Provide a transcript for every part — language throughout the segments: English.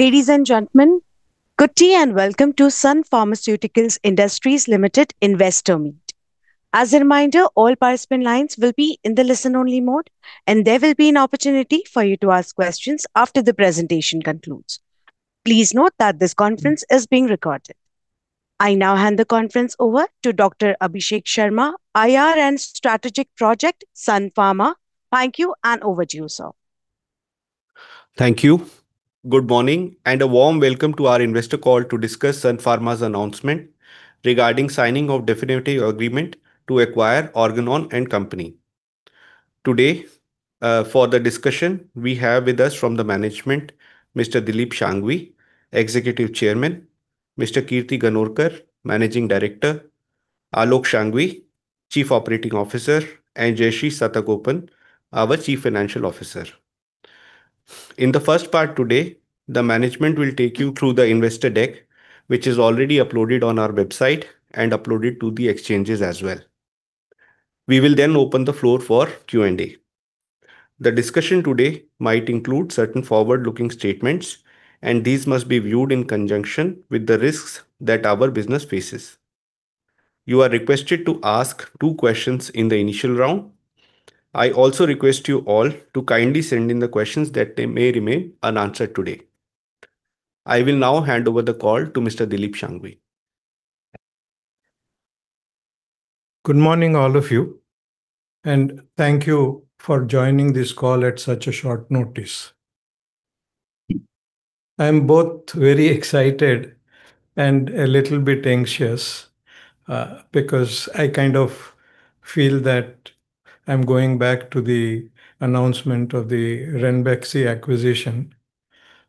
Ladies and gentlemen, good day and welcome to Sun Pharmaceutical Industries Limited Investor Meet. As a reminder, all participant lines will be in the listen-only mode, and there will be an opportunity for you to ask questions after the presentation concludes. Please note that this conference is being recorded. I now hand the conference over to Dr. Abhishek Sharma, IR and Strategic Projects, Sun Pharma. Thank you, and over to you, sir. Thank you. Good morning, and a warm welcome to our investor call to discuss Sun Pharma's announcement regarding signing of definitive agreement to acquire Organon & Co. Today, for the discussion, we have with us from the management Mr. Dilip Shanghvi, Executive Chairman, Mr. Kirti Ganorkar, Managing Director, Aalok Shanghvi, Chief Operating Officer, and Jayashree Satagopan, our Chief Financial Officer. In the first part today, the management will take you through the investor deck, which is already uploaded on our website and uploaded to the exchanges as well. We will then open the floor for Q&A. The discussion today might include certain forward-looking statements, and these must be viewed in conjunction with the risks that our business faces. You are requested to ask two questions in the initial round. I also request you all to kindly send in the questions that they may remain unanswered today. I will now hand over the call to Mr. Dilip Shanghvi. Good morning, all of you, and thank you for joining this call at such a short notice. I'm both very excited and a little bit anxious because I kind of feel that I'm going back to the announcement of the Ranbaxy acquisition.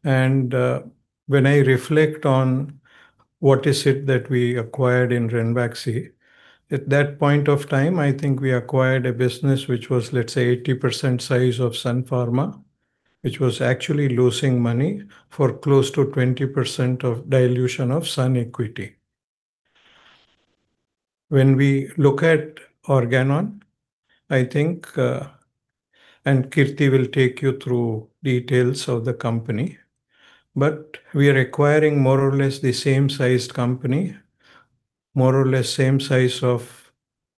When I reflect on what is it that we acquired in Ranbaxy, at that point of time, I think we acquired a business which was, let's say, 80% size of Sun Pharma, which was actually losing money for close to 20% of dilution of Sun equity. When we look at Organon, I think and Kirti will take you through details of the company, but we are acquiring more or less the same sized company, more or less same size of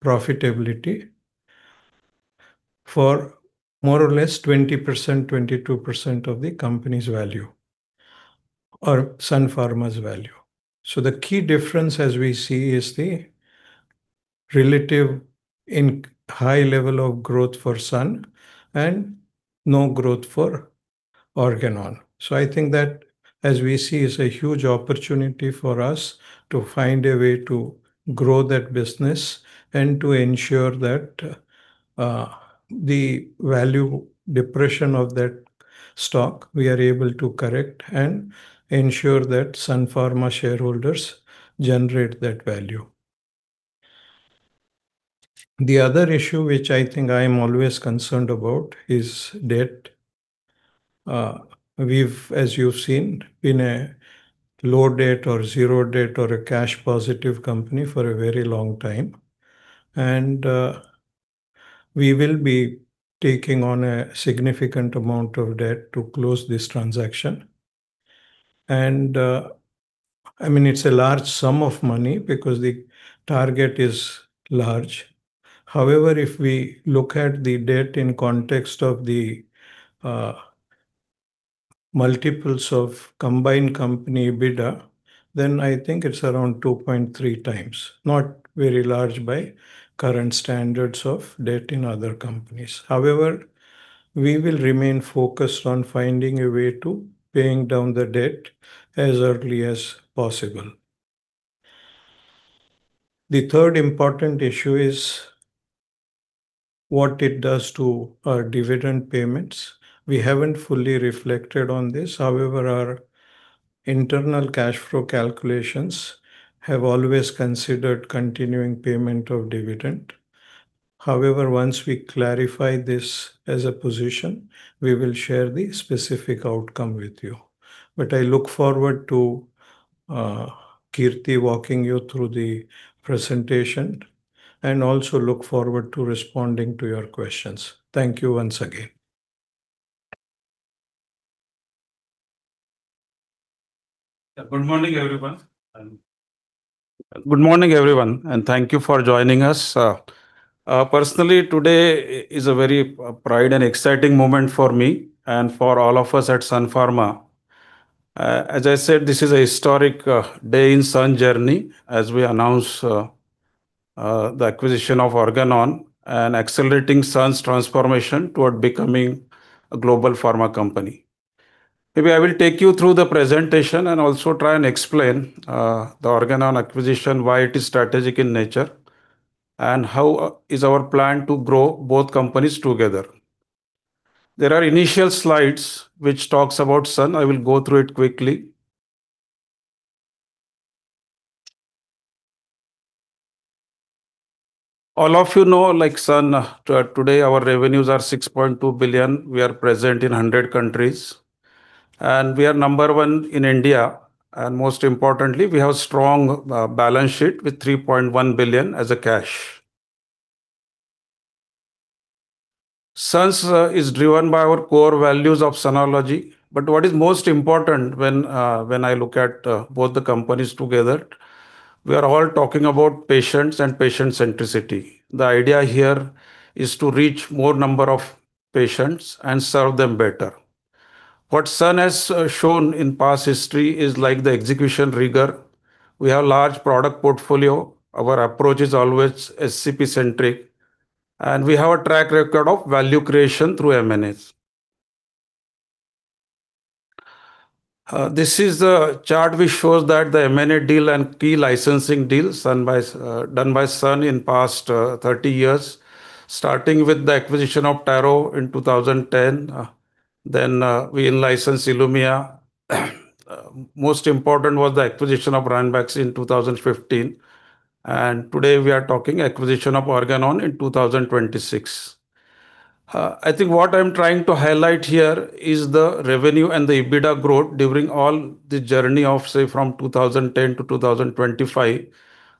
profitability for more or less 20%, 22% of the company's value or Sun Pharma's value. The key difference as we see is the relatively high level of growth for Sun and no growth for Organon. I think that as we see is a huge opportunity for us to find a way to grow that business and to ensure that, the value depression of that stock we are able to correct and ensure that Sun Pharma shareholders generate that value. The other issue which I think I am always concerned about is debt. We've, as you've seen, been a low debt or zero debt or a cash positive company for a very long time and, we will be taking on a significant amount of debt to close this transaction and, I mean, it's a large sum of money because the target is large. However, if we look at the debt in context of the multiples of combined company EBITDA, then I think it's around 2.3x. Not very large by current standards of debt in other companies. However, we will remain focused on finding a way to paying down the debt as early as possible. The third important issue is what it does to our dividend payments. We haven't fully reflected on this. However, our internal cash flow calculations have always considered continuing payment of dividend. However, once we clarify this as a position, we will share the specific outcome with you. I look forward to Kirti walking you through the presentation and also look forward to responding to your questions. Thank you once again. Good morning, everyone. Good morning, everyone, and thank you for joining us. Personally today is a very proud and exciting moment for me and for all of us at Sun Pharma. As I said, this is a historic day in Sun journey as we announce the acquisition of Organon and accelerating Sun's transformation toward becoming a global pharma company. Maybe I will take you through the presentation and also try and explain the Organon acquisition, why it is strategic in nature, and how is our plan to grow both companies together. There are initial slides which talks about Sun. I will go through it quickly. All of you know like Sun, today our revenues are $6.2 billion. We are present in 100 countries, and we are number one in India, and most importantly, we have strong balance sheet with $3.1 billion in cash. Sun's is driven by our core values of Sunology. What is most important when I look at both the companies together, we are all talking about patients and patient centricity. The idea here is to reach more number of patients and serve them better. What Sun has shown in past history is like the execution rigor. We have large product portfolio. Our approach is always SCP centric, and we have a track record of value creation through M&As. This is a chart which shows the M&A deals and key licensing deals done by Sun in the past 30 years, starting with the acquisition of Taro in 2010, then we in-licensed ILUMYA. Most important was the acquisition of Ranbaxy in 2015. Today we are talking acquisition of Organon in 2026. I think what I'm trying to highlight here is the revenue and the EBITDA growth during all the journey of, say, from 2010 to 2025.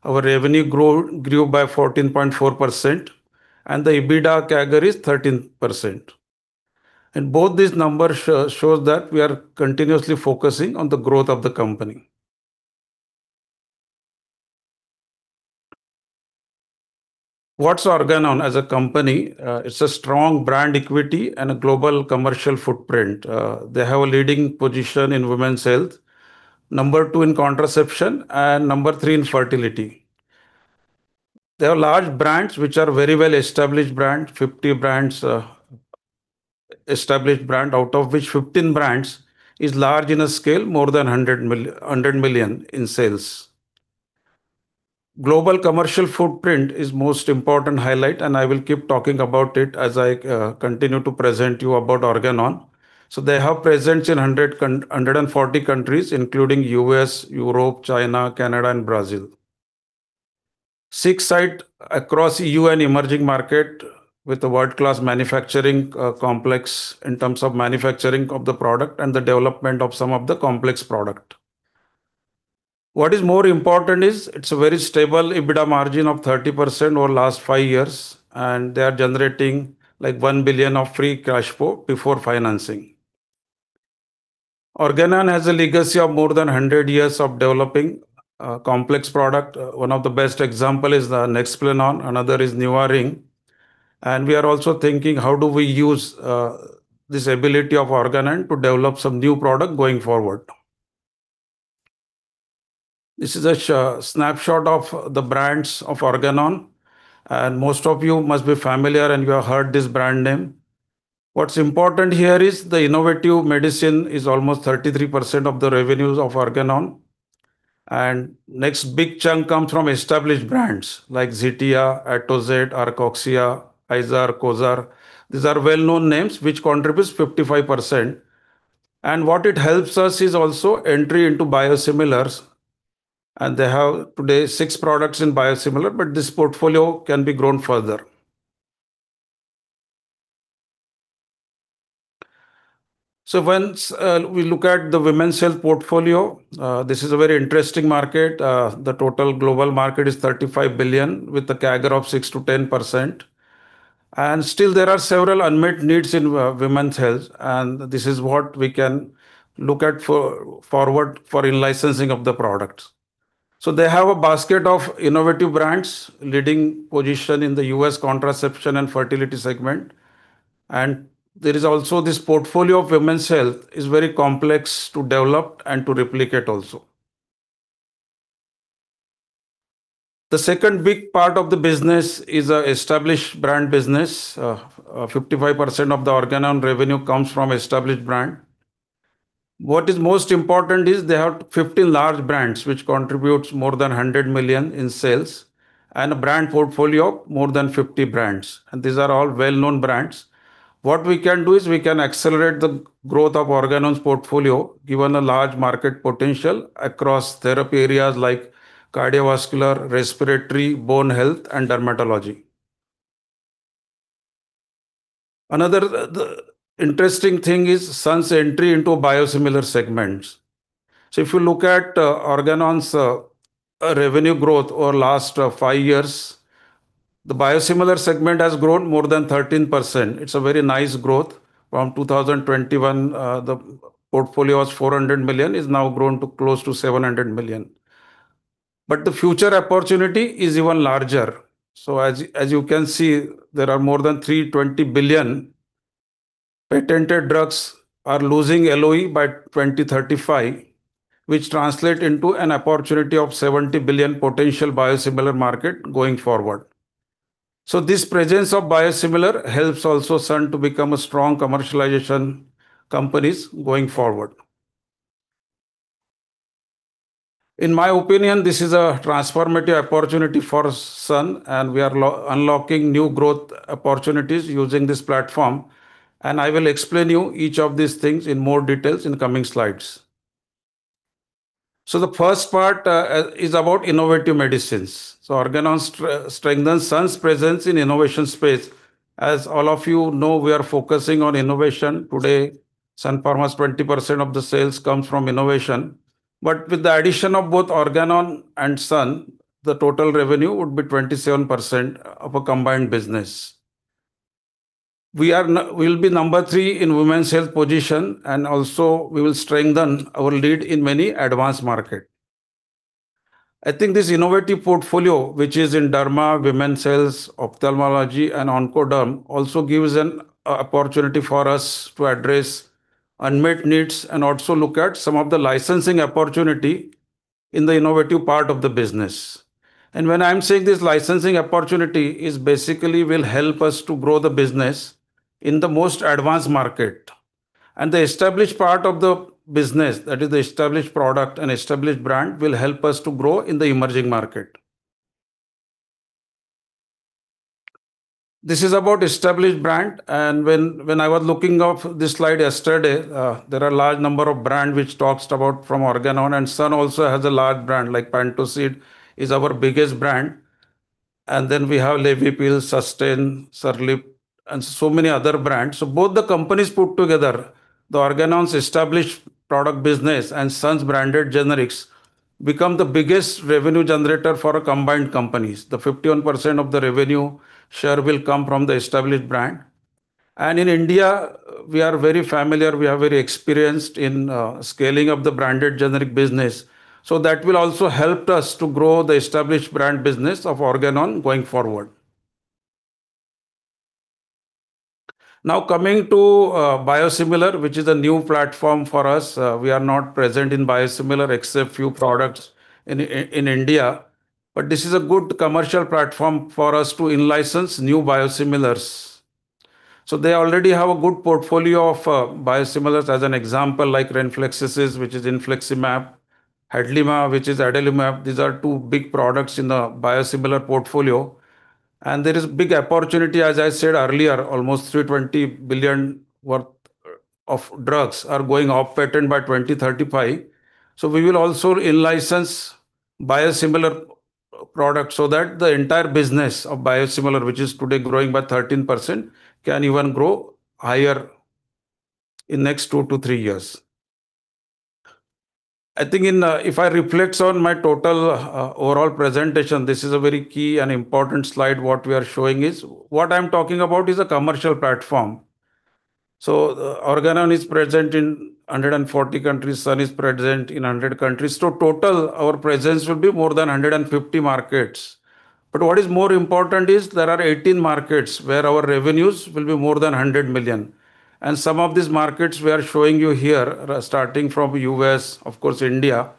Our revenue grew by 14.4% and the EBITDA CAGR is 13%. Both these numbers shows that we are continuously focusing on the growth of the company. What's Organon as a company? It's a strong brand equity and a global commercial footprint. They have a leading position in women's health, number two in contraception, and number three in fertility. They are large brands which are very well established brand, 50 brands, established brand, out of which 15 brands is large in a scale more than $100 million in sales. Global commercial footprint is most important highlight, and I will keep talking about it as I continue to present you about Organon. They have presence in 140 countries including U.S., Europe, China, Canada, and Brazil. Six sites across EU and emerging markets with a world-class manufacturing complex in terms of manufacturing of the product and the development of some of the complex product. What is more important is it's a very stable EBITDA margin of 30% over last five years, and they are generating like $1 billion of free cash flow before financing. Organon has a legacy of more than 100 years of developing complex product. One of the best example is the Nexplanon, another is NuvaRing. We are also thinking, how do we use this ability of Organon to develop some new product going forward? This is a snapshot of the brands of Organon, and most of you must be familiar, and you have heard this brand name. What's important here is the innovative medicine is almost 33% of the revenues of Organon. Next big chunk comes from established brands like Zetia, Atozet, Arcoxia, Ezetrol, Cozaar. These are well-known names which contributes 55%. What it helps us is also entry into biosimilars, and they have today six products in biosimilar, but this portfolio can be grown further. Once we look at the women's health portfolio, this is a very interesting market. The total global market is $35 billion with a CAGR of 6%-10%. Still there are several unmet needs in women's health, and this is what we can look forward to for in-licensing of the products. They have a basket of innovative brands, leading position in the U.S. contraception and fertility segment. There is also this portfolio of women's health is very complex to develop and to replicate also. The second big part of the business is an established brand business. 55% of the Organon revenue comes from established brand. What is most important is they have 15 large brands which contributes more than $100 million in sales and a brand portfolio of more than 50 brands, and these are all well-known brands. What we can do is we can accelerate the growth of Organon's portfolio given a large market potential across therapy areas like cardiovascular, respiratory, bone health, and dermatology. Another interesting thing is Sun's entry into biosimilar segments. If you look at Organon's revenue growth over last five years, the biosimilar segment has grown more than 13%. It's a very nice growth. From 2021, the portfolio was $400 million, is now grown to close to $700 million. The future opportunity is even larger. As you can see, there are more than $320 billion patented drugs losing LOE by 2035, which translate into an opportunity of $70 billion potential biosimilar market going forward. This presence of biosimilar helps also Sun to become a strong commercialization company going forward. In my opinion, this is a transformative opportunity for Sun, and we are unlocking new growth opportunities using this platform. I will explain to you each of these things in more details in the coming slides. The first part is about innovative medicines. Organon strengthens Sun's presence in innovation space. As all of you know, we are focusing on innovation. Today, Sun Pharma's 20% of the sales comes from innovation. With the addition of both Organon and Sun, the total revenue would be 27% of a combined business. We'll be number three in women's health position, and also we will strengthen our lead in many advanced market. I think this innovative portfolio, which is in derma, women's health, ophthalmology, and onco-derm, also gives an opportunity for us to address unmet needs and also look at some of the licensing opportunity in the innovative part of the business. When I'm saying this licensing opportunity is basically will help us to grow the business in the most advanced market, and the established part of the business, that is the established product and established brand, will help us to grow in the emerging market. This is about established brand, and when I was looking up this slide yesterday, there are large number of brand which talks about from Organon, and Sun also has a large brand, like Pantocid is our biggest brand. Then we have Levipil, Susten, Serlift, and so many other brands. So both the companies put together, the Organon's established product business and Sun's branded generics become the biggest revenue generator for combined companies. The 51% of the revenue share will come from the established brand. In India, we are very familiar, we are very experienced in scaling of the branded generic business. So that will also helped us to grow the established brand business of Organon going forward. Now coming to biosimilar, which is a new platform for us. We are not present in biosimilar except few products in in India, but this is a good commercial platform for us to in-license new biosimilars. So they already have a good portfolio of biosimilars, as an example, like Renflexis, which is infliximab, Hadlima, which is adalimumab. These are two big products in the biosimilar portfolio. There is big opportunity, as I said earlier, almost $320 billion worth of drugs are going off patent by 2035. We will also in-license biosimilar products so that the entire business of biosimilar, which is today growing by 13%, can even grow higher in next two to three years. I think if I reflect on my total overall presentation, this is a very key and important slide. What we are showing is. What I'm talking about is a commercial platform. Organon is present in 140 countries. Sun is present in 100 countries. Total, our presence will be more than 150 markets. What is more important is there are 18 markets where our revenues will be more than $100 million. Some of these markets we are showing you here, starting from U.S., of course India,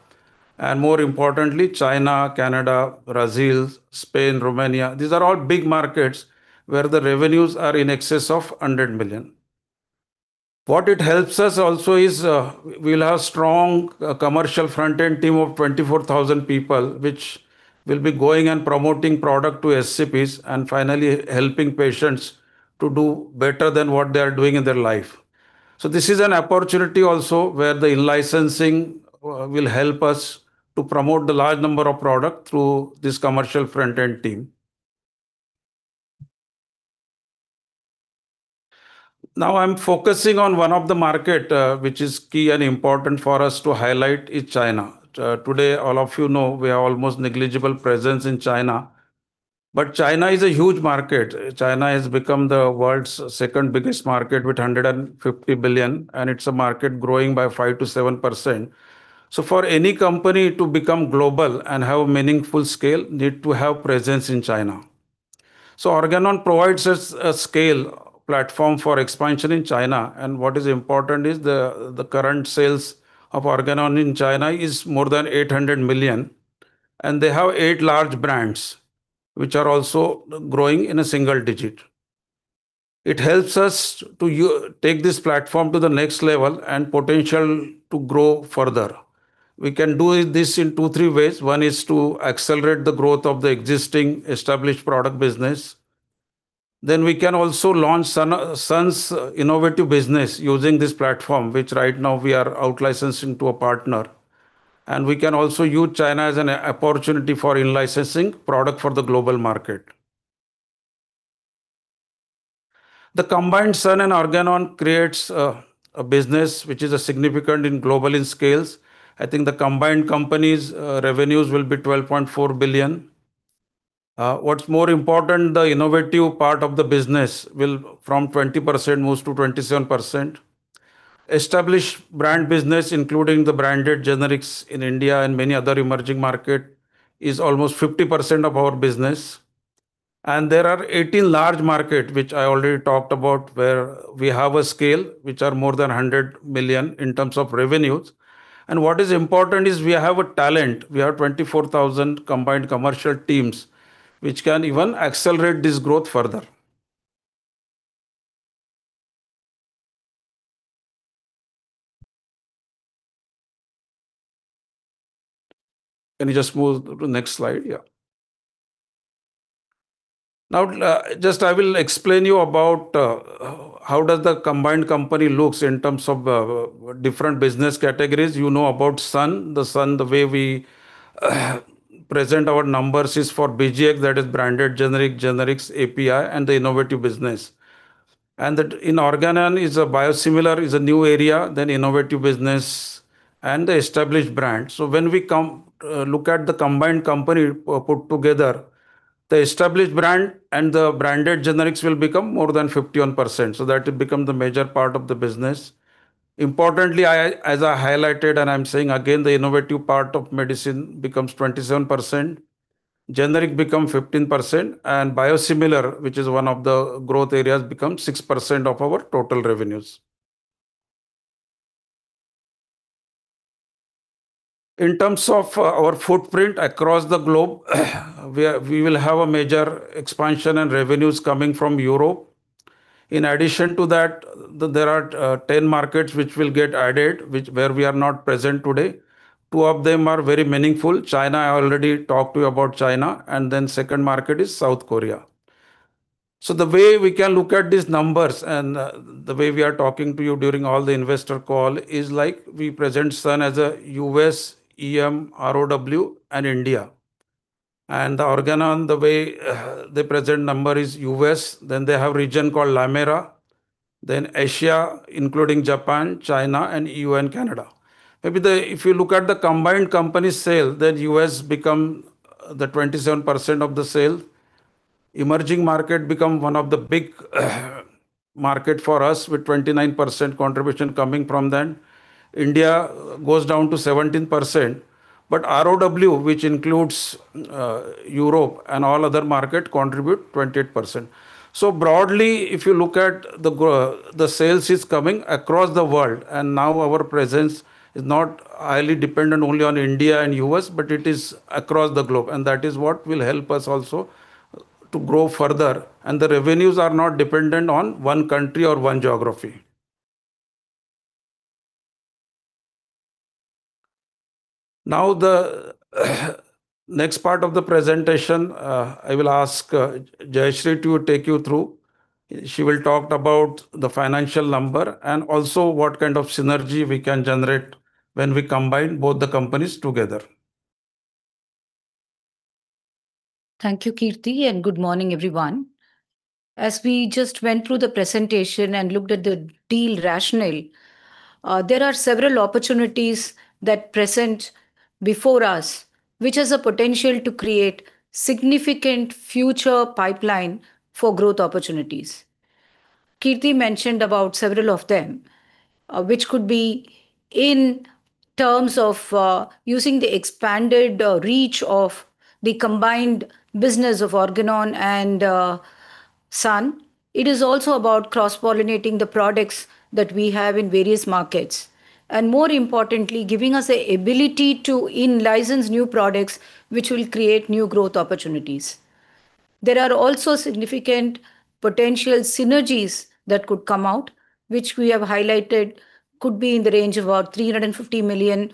and more importantly, China, Canada, Brazil, Spain, Romania. These are all big markets where the revenues are in excess of $100 million. What it helps us also is, we'll have strong commercial front-end team of 24,000 people, which will be going and promoting product to HCPs and finally helping patients to do better than what they are doing in their life. This is an opportunity also where the licensing will help us to promote the large number of product through this commercial front-end team. Now I'm focusing on one of the market, which is key and important for us to highlight is China. Today, all of you know we are almost negligible presence in China. But China is a huge market. China has become the world's second-biggest market with $150 billion, and it's a market growing by 5%-7%. For any company to become global and have meaningful scale need to have presence in China. Organon provides us a scale platform for expansion in China, and what is important is the current sales of Organon in China are more than $800 million, and they have eight large brands which are also growing in a single digit. It helps us to take this platform to the next level and potential to grow further. We can do this in two, three ways. One is to accelerate the growth of the existing established product business. Then we can also launch Sun's innovative business using this platform, which right now we are out-licensing to a partner. We can also use China as an opportunity for in-licensing product for the global market. The combined Sun and Organon creates a business which is significant in global scale. I think the combined company's revenues will be $12.4 billion. What's more important, the innovative part of the business will from 20% moves to 27%. Established brand business, including the branded generics in India and many other emerging market, is almost 50% of our business. There are 18 large market, which I already talked about, where we have a scale which are more than 100 million in terms of revenues. What is important is we have a talent. We have 24,000 combined commercial teams, which can even accelerate this growth further. Can you just move to the next slide? Yeah. Now, just I will explain you about, how does the combined company looks in terms of, different business categories. You know about Sun. At Sun, the way we present our numbers is for BGx, that is branded generic, generics API, and the innovative business. That in Organon is a biosimilar, is a new area, then innovative business and the established brand. When we come look at the combined company put together the established brand and the branded generics will become more than 51%, so that will become the major part of the business. Importantly, I, as I highlighted and I'm saying again, the innovative part of medicine becomes 27%, generic become 15%, and biosimilar, which is one of the growth areas, becomes 6% of our total revenues. In terms of our footprint across the globe, we are we will have a major expansion and revenues coming from Europe. In addition to that, there are 10 markets which will get added where we are not present today. Two of them are very meaningful. China, I already talked to you about China, and then second market is South Korea. The way we can look at these numbers and the way we are talking to you during all the investor call is like we present Sun as a U.S., EM, ROW, and India. Organon, the way they present number is U.S., then they have region called LATAM, EMEA, then Asia including Japan, China, and EU and Canada. If you look at the combined company sale, then U.S. become the 27% of the sale, emerging market become one of the big market for us with 29% contribution coming from them. India goes down to 17%, but ROW, which includes Europe and all other market, contribute 28%. Broadly, if you look at the sales coming across the world, and now our presence is not highly dependent only on India and U.S., but it is across the globe. That is what will help us also to grow further, and the revenues are not dependent on one country or one geography. Now the next part of the presentation, I will ask Jayashree to take you through. She will talk about the financial number and also what kind of synergy we can generate when we combine both the companies together. Thank you, Kirti, and good morning, everyone. As we just went through the presentation and looked at the deal rationale, there are several opportunities that present before us, which has a potential to create significant future pipeline for growth opportunities. Kirti mentioned about several of them, which could be in terms of using the expanded reach of the combined business of Organon and Sun. It is also about cross-pollinating the products that we have in various markets, and more importantly, giving us the ability to in-license new products which will create new growth opportunities. There are also significant potential synergies that could come out, which we have highlighted could be in the range of about $350 million,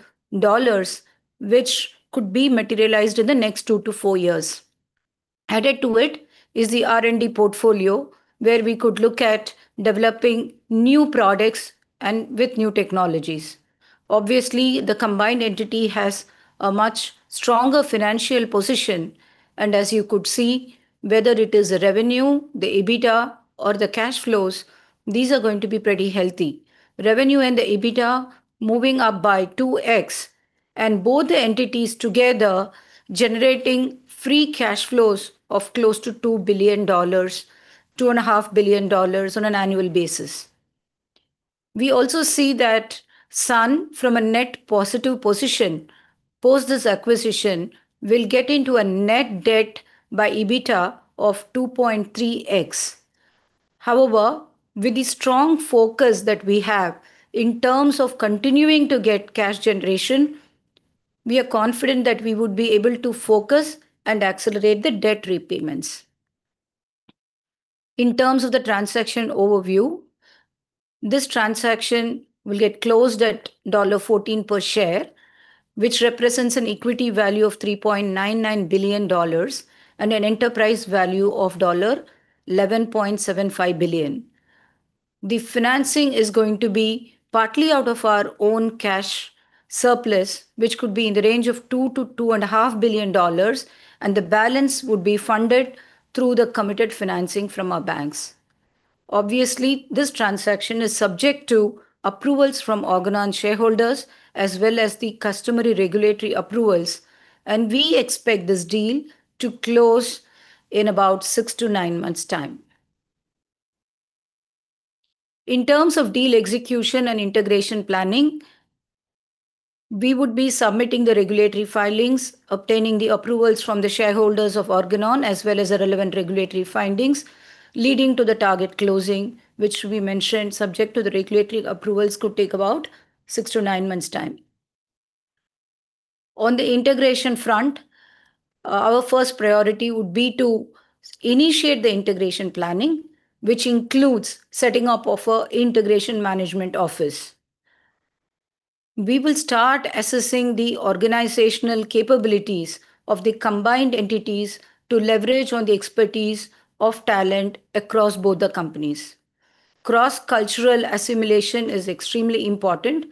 which could be materialized in the next two to four years. Added to it is the R&D portfolio where we could look at developing new products and with new technologies. Obviously, the combined entity has a much stronger financial position, and as you could see, whether it is the revenue, the EBITDA or the cash flows, these are going to be pretty healthy. Revenue and the EBITDA moving up by 2x and both the entities together generating free cash flows of close to $2 billion, $2.5 billion on an annual basis. We also see that Sun, from a net positive position, post this acquisition, will get into a net debt by EBITDA of 2.3x. However, with the strong focus that we have in terms of continuing to get cash generation, we are confident that we would be able to focus and accelerate the debt repayments. In terms of the transaction overview, this transaction will get closed at $14 per share, which represents an equity value of $3.99 billion and an enterprise value of $11.75 billion. The financing is going to be partly out of our own cash surplus, which could be in the range of $2 billion-$2.5 billion, and the balance would be funded through the committed financing from our banks. Obviously, this transaction is subject to approvals from Organon shareholders as well as the customary regulatory approvals, and we expect this deal to close in about six to nine months' time. In terms of deal execution and integration planning, we would be submitting the regulatory filings, obtaining the approvals from the shareholders of Organon as well as the relevant regulatory findings leading to the target closing, which we mentioned subject to the regulatory approvals could take about six to nine months' time. On the integration front, our first priority would be to initiate the integration planning, which includes setting up of an integration management office. We will start assessing the organizational capabilities of the combined entities to leverage on the expertise of talent across both the companies. Cross-cultural assimilation is extremely important.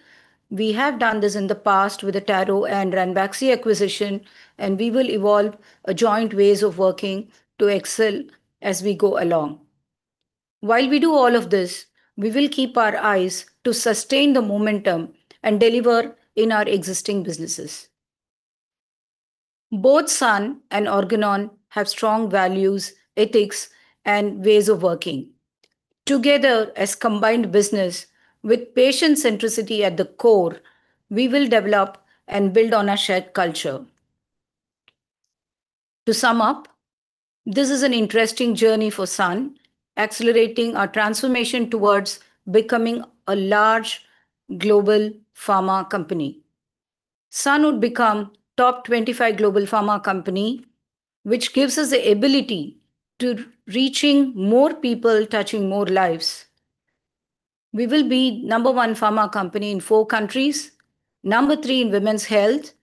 We have done this in the past with the Taro and Ranbaxy acquisition, and we will evolve a joint ways of working to excel as we go along. While we do all of this, we will keep our eyes on to sustain the momentum and deliver in our existing businesses. Both Sun and Organon have strong values, ethics, and ways of working. Together, as combined business with patient centricity at the core, we will develop and build on our shared culture. To sum up, this is an interesting journey for Sun, accelerating our transformation towards becoming a large global pharma company. Sun would become top 25 global pharma company, which gives us the ability to reach more people, touching more lives. We will be number one pharma company in four countries, number three in women's health,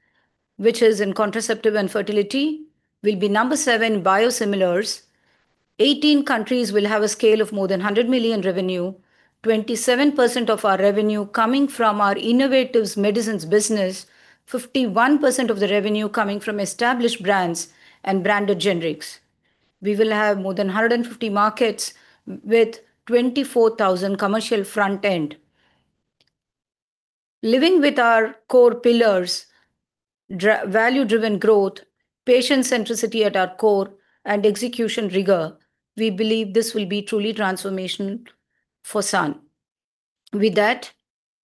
which is in contraceptive and fertility. We'll be number seven biosimilars. 18 countries will have a scale of more than 100 million revenue. 27% of our revenue coming from our innovative medicines business, 51% of the revenue coming from established brands and branded generics. We will have more than 150 markets with 24,000 commercial front end. Living with our core pillars, value-driven growth, patient centricity at our core, and execution rigor, we believe this will be truly transformational for Sun. With that,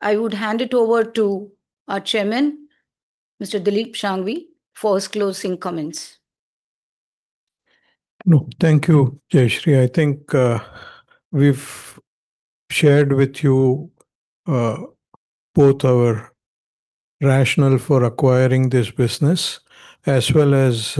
I would hand it over to our chairman, Mr. Dilip Shanghvi, for his closing comments. No, thank you, Jayashree. I think, we've shared with you both our rationale for acquiring this business as well as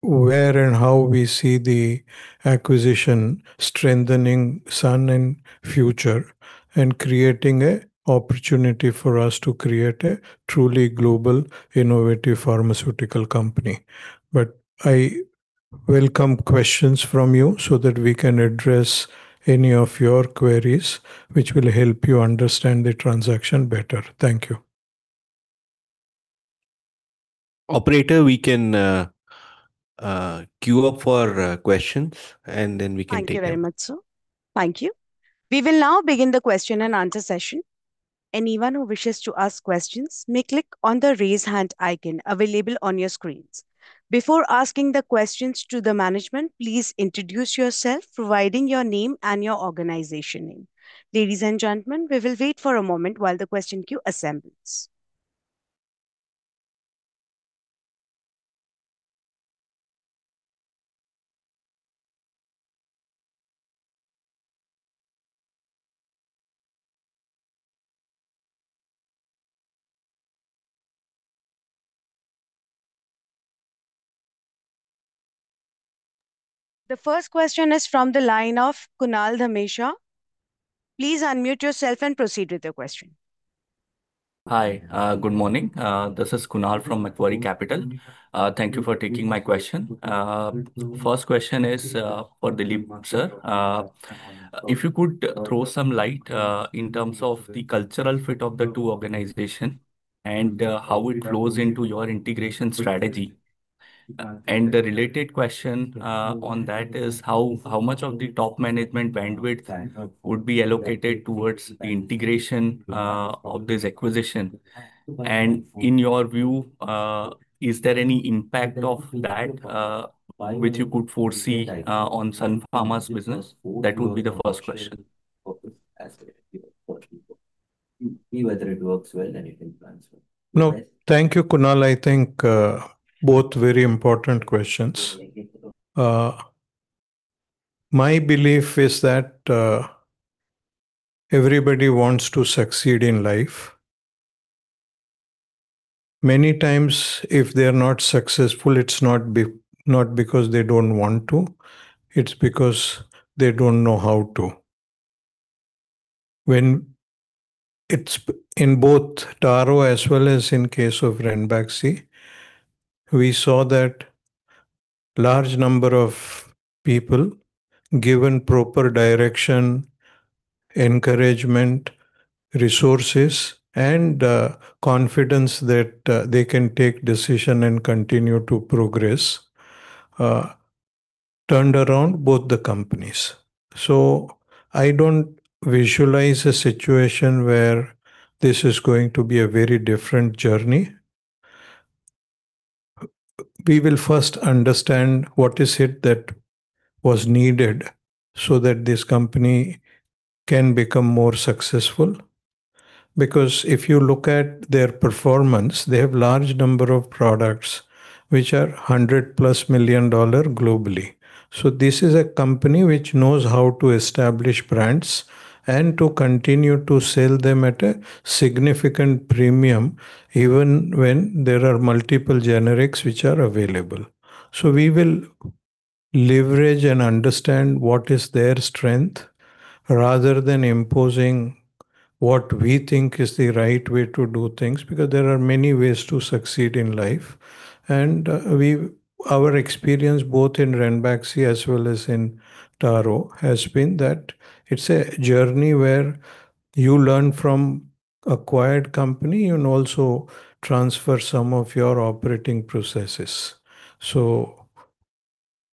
where and how we see the acquisition strengthening Sun in future and creating a opportunity for us to create a truly global, innovative pharmaceutical company. I welcome questions from you so that we can address any of your queries, which will help you understand the transaction better. Thank you. Operator, we can queue up for questions and then we can take them. Thank you very much, sir. Thank you. We will now begin the question and answer session. Anyone who wishes to ask questions may click on the raise hand icon available on your screens. Before asking the questions to the management, please introduce yourself, providing your name and your organization name. Ladies and gentlemen, we will wait for a moment while the question queue assembles. The first question is from the line of Kunal Dhamesha. Please unmute yourself and proceed with your question. Hi. Good morning. This is Kunal from Macquarie Capital. Thank you for taking my question. First question is for Dilip, sir. If you could throw some light in terms of the cultural fit of the two organization and how it flows into your integration strategy. The related question on that is how much of the top management bandwidth would be allocated towards the integration of this acquisition? In your view, is there any impact of that which you could foresee on Sun Pharma's business? That would be the first question. No. Thank you, Kunal. I think both very important questions. My belief is that everybody wants to succeed in life. Many times if they're not successful, it's not because they don't want to, it's because they don't know how to. When it's in both Taro as well as in case of Ranbaxy, we saw that large number of people given proper direction, encouragement, resources, and confidence that they can take decision and continue to progress turned around both the companies. I don't visualize a situation where this is going to be a very different journey. We will first understand what is it that was needed so that this company can become more successful. Because if you look at their performance, they have large number of products which are $100 million+ globally. This is a company which knows how to establish brands and to continue to sell them at a significant premium, even when there are multiple generics which are available. We will leverage and understand what is their strength rather than imposing what we think is the right way to do things, because there are many ways to succeed in life. Our experience both in Ranbaxy as well as in Taro has been that it's a journey where you learn from acquired company and also transfer some of your operating processes.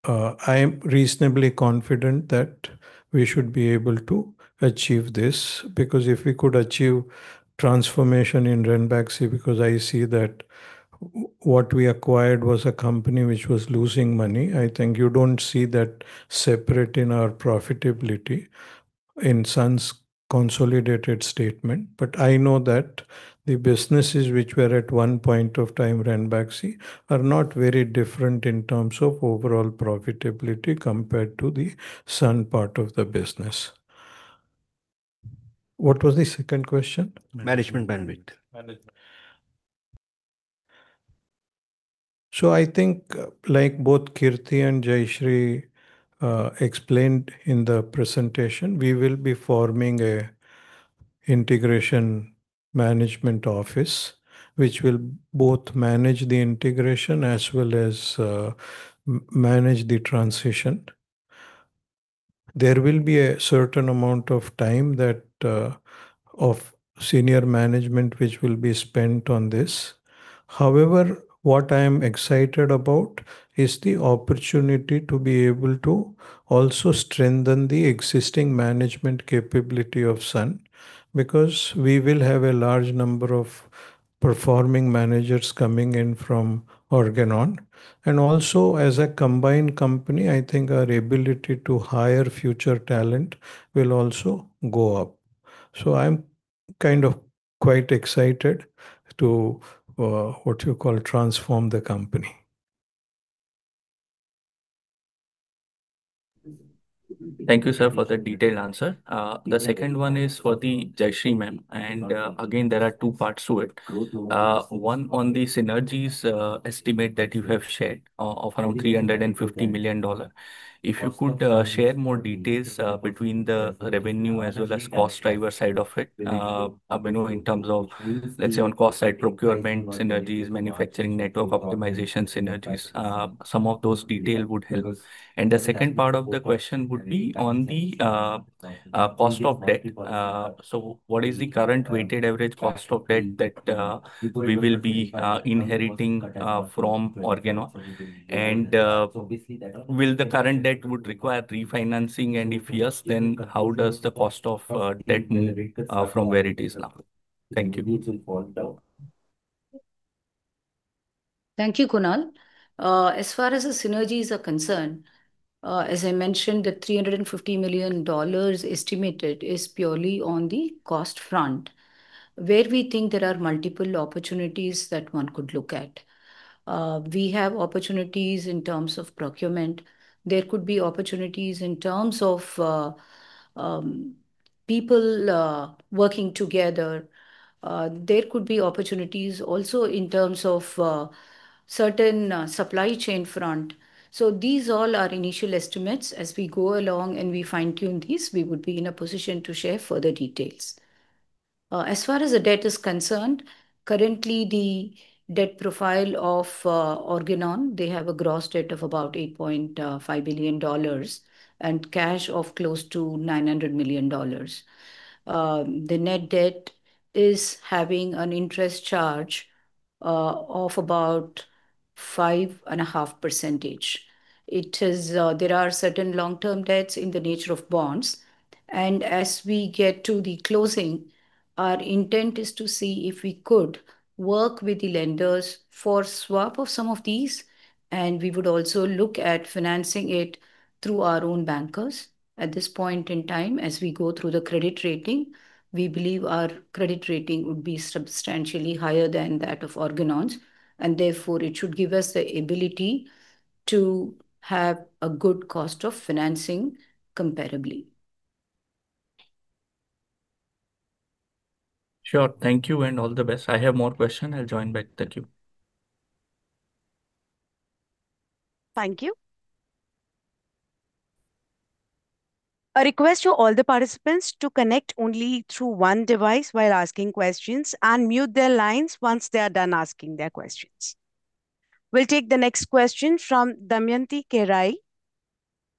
I am reasonably confident that we should be able to achieve this, because if we could achieve transformation in Ranbaxy, because I see that what we acquired was a company which was losing money. I think you don't see that separate in our profitability in Sun's consolidated statement. I know that the businesses which were at one point of time Ranbaxy are not very different in terms of overall profitability compared to the Sun part of the business. What was the second question? Management bandwidth. I think, like both Kirti and Jayashree explained in the presentation, we will be forming an integration management office which will both manage the integration as well as manage the transition. There will be a certain amount of time that of senior management which will be spent on this. However, what I am excited about is the opportunity to be able to also strengthen the existing management capability of Sun, because we will have a large number of performing managers coming in from Organon. Also, as a combined company, I think our ability to hire future talent will also go up. I'm kind of quite excited to what you call transform the company. Thank you, sir, for the detailed answer. The second one is for the Jayashree ma'am, and again, there are two parts to it. One on the synergies estimate that you have shared of around $350 million. If you could share more details between the revenue as well as cost driver side of it, you know, in terms of, let's say, on cost side procurement synergies, manufacturing network optimization synergies, some of those detail would help. The second part of the question would be on the cost of debt. So what is the current weighted average cost of debt that we will be inheriting from Organon? And will the current debt require refinancing? And if yes, then how does the cost of debt from where it is now? Thank you. Thank you, Kunal. As far as the synergies are concerned, as I mentioned, the $350 million estimated is purely on the cost front where we think there are multiple opportunities that one could look at. We have opportunities in terms of procurement. There could be opportunities in terms of people working together. There could be opportunities also in terms of certain supply chain front. These all are initial estimates. As we go along and we fine-tune this, we would be in a position to share further details. As far as the debt is concerned, currently the debt profile of Organon, they have a gross debt of about $8.5 billion and cash of close to $900 million. The net debt is having an interest charge of about 5.5%. There are certain long-term debts in the nature of bonds. As we get to the closing, our intent is to see if we could work with the lenders for swap of some of these, and we would also look at financing it through our own bankers. At this point in time, as we go through the credit rating, we believe our credit rating would be substantially higher than that of Organon's, and therefore it should give us the ability to have a good cost of financing comparably. Sure. Thank you, and all the best. I have more question. I'll join back. Thank you. Thank you. A request to all the participants to connect only through one device while asking questions, and mute their lines once they are done asking their questions. We'll take the next question from Damayanti Kerai.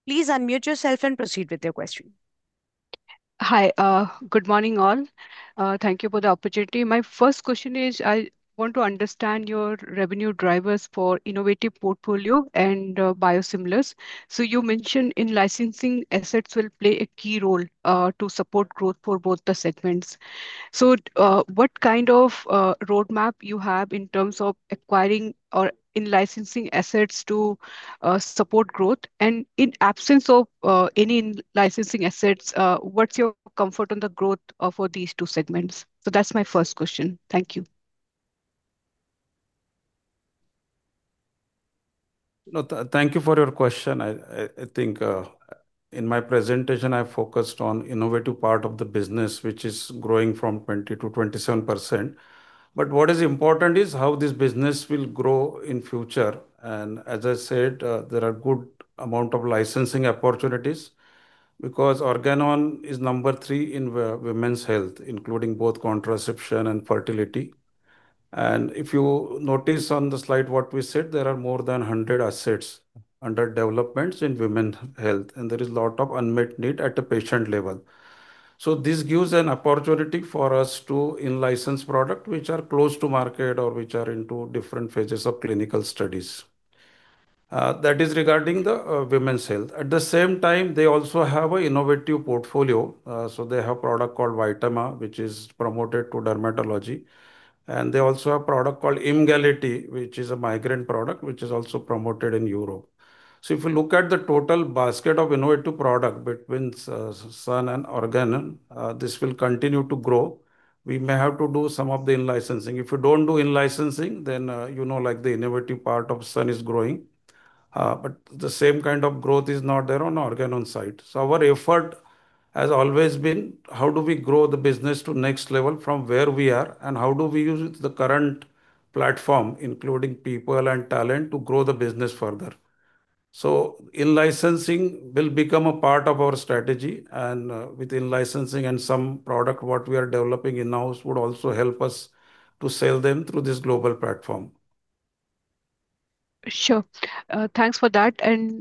Please unmute yourself and proceed with your question. Hi. Good morning all. Thank you for the opportunity. My first question is, I want to understand your revenue drivers for innovative portfolio and biosimilars. You mentioned in-licensing, assets will play a key role to support growth for both the segments. What kind of road map you have in terms of acquiring or in-licensing assets to support growth and in absence of any licensing assets, what's your comfort on the growth over these two segments? That’s my first question. Thank you. No, thank you for your question. I think in my presentation I focused on innovative part of the business, which is growing from 20%-27%. What is important is how this business will grow in future. as I said, there are good amount of licensing opportunities because Organon is number three in women's health, including both contraception and fertility. If you notice on the slide what we said, there are more than 100 assets under developments in women health, and there is lot of unmet need at the patient level. This gives an opportunity for us to in-license product which are close to market or which are into different phases of clinical studies. That is regarding the women's health. At the same time, they also have a innovative portfolio. They have a product called VTAMA, which is promoted to dermatology, and they also have a product called Emgality, which is a migraine product, which is also promoted in Europe. If you look at the total basket of innovative products between Sun and Organon, this will continue to grow. We may have to do some of the in-licensing. If you don't do in-licensing, then, you know, like, the innovative part of Sun is growing. But the same kind of growth is not there on Organon side. Our effort has always been how do we grow the business to next level from where we are, and how do we use the current platform, including people and talent, to grow the business further. In-licensing will become a part of our strategy, and with in-licensing and some product what we are developing in-house would also help us to sell them through this global platform. Sure. Thanks for that.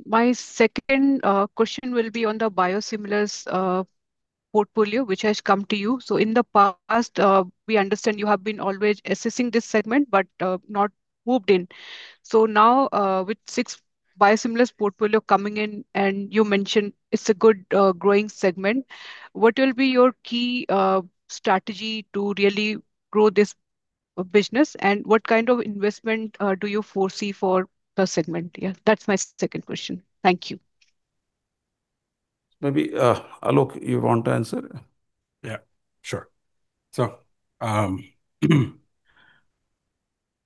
My second question will be on the biosimilars portfolio, which has come to you. In the past, we understand you have been always assessing this segment, but not moved in. Now, with six biosimilars portfolio coming in and you mentioned it's a good growing segment, what will be your key strategy to really grow this business, and what kind of investment do you foresee for the segment, yeah? That's my second question. Thank you. Maybe, Aalok, you want to answer?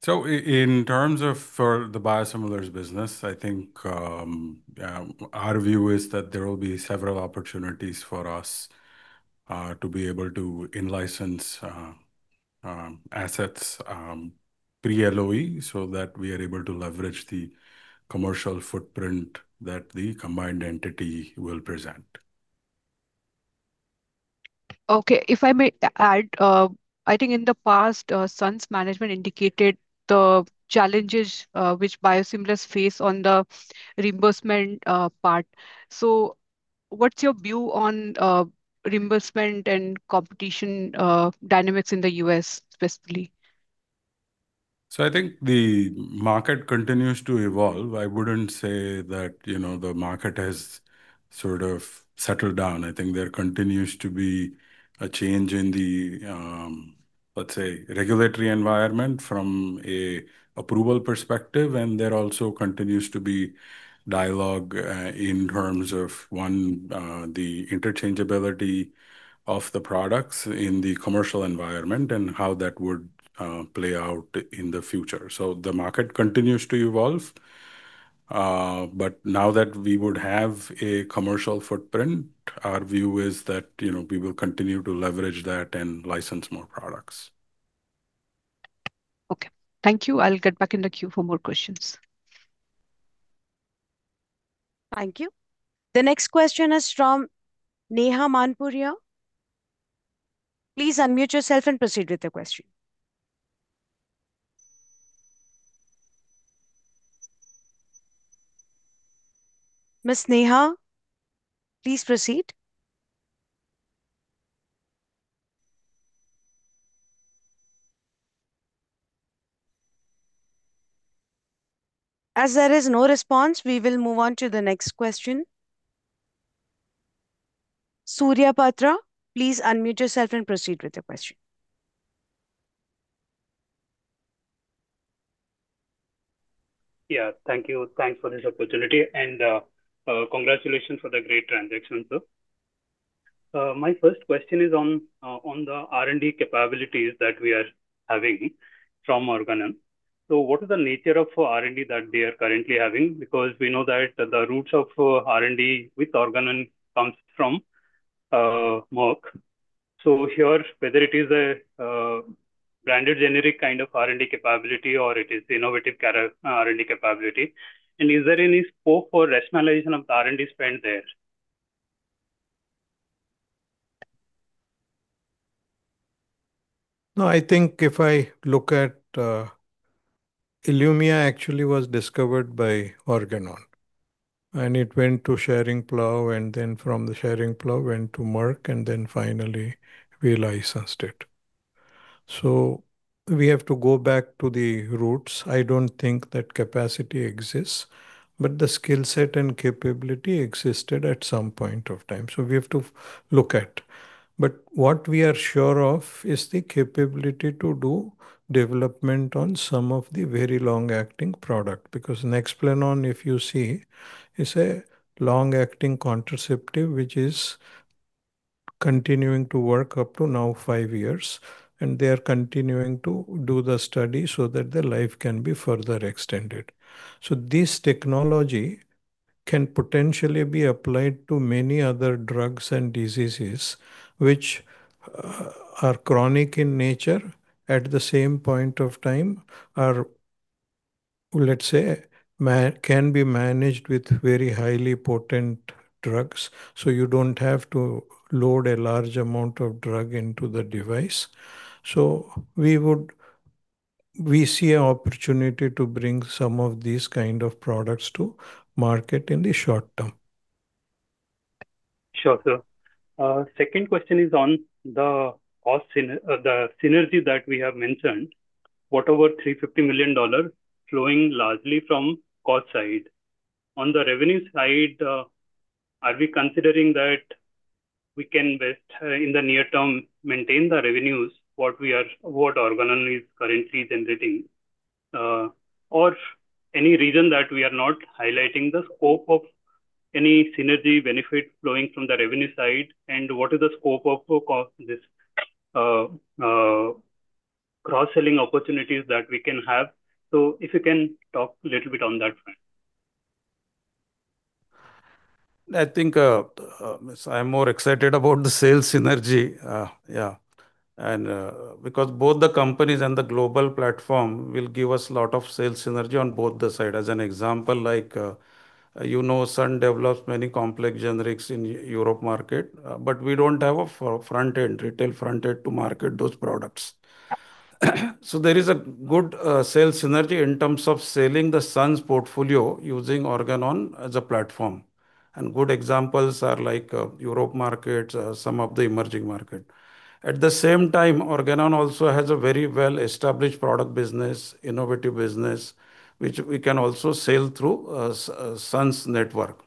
In terms of for the biosimilars business, I think our view is that there will be several opportunities for us to be able to in-license assets pre-LOE so that we are able to leverage the commercial footprint that the combined entity will present. Okay. If I may add, I think in the past, Sun's management indicated the challenges which biosimilars face on the reimbursement part. What's your view on reimbursement and competition dynamics in the U.S. specifically? I think the market continues to evolve. I wouldn't say that, you know, the market has sort of settled down. I think there continues to be a change in the, let's say, regulatory environment from a approval perspective, and there also continues to be dialogue in terms of, one, the interchangeability of the products in the commercial environment and how that would play out in the future. The market continues to evolve. Now that we would have a commercial footprint, our view is that, you know, we will continue to leverage that and license more products. Okay. Thank you. I'll get back in the queue for more questions. Thank you. The next question is from Neha Manpuria. Please unmute yourself and proceed with the question. Ms. Neha, please proceed. As there is no response, we will move on to the next question. Surya Patra, please unmute yourself and proceed with your question. Thank you. Thanks for this opportunity, and congratulations for the great transaction, sir. My first question is on the R&D capabilities that we are having from Organon. So what is the nature of R&D that they are currently having? Because we know that the roots of R&D with Organon comes from Merck, so here, whether it is a branded generic kind of R&D capability or it is innovative R&D capability. And is there any scope for rationalization of the R&D spend there? No, I think if I look at ILUMYA, actually was discovered by Organon, and it went to Schering-Plough, and then from the Schering-Plough went to Merck, and then finally we licensed it. So we have to go back to the roots. I don't think that capacity exists, but the skill set and capability existed at some point of time, so we have to look at. But what we are sure of is the capability to do development on some of the very long-acting product, because Nexplanon, if you see, is a long-acting contraceptive which is continuing to work up to now five years, and they are continuing to do the study so that the life can be further extended. So this technology can potentially be applied to many other drugs and diseases which are chronic in nature, at the same point of time are- Well, let's say can be managed with very highly potent drugs, so you don't have to load a large amount of drug into the device. We see an opportunity to bring some of these kind of products to market in the short term. Sure, sir. Second question is on the cost synergy that we have mentioned, what about the $350 million flowing largely from cost side? On the revenue side, are we considering that we can, at best, in the near term maintain the revenues what Organon is currently generating? Or any reason that we are not highlighting the scope of any synergy benefit flowing from the revenue side, and what is the scope of cost, this cross-selling opportunities that we can have? If you can talk a little bit on that front. I think I'm more excited about the sales synergy. Yeah. Because both the companies and the global platform will give us lot of sales synergy on both the side. As an example, like, you know Sun develops many complex generics in Europe market, but we don't have a front end, retail front end to market those products. There is a good sales synergy in terms of selling the Sun's portfolio using Organon as a platform. Good examples are like Europe markets, some of the emerging market. At the same time, Organon also has a very well-established product business, innovative business, which we can also sell through Sun's network.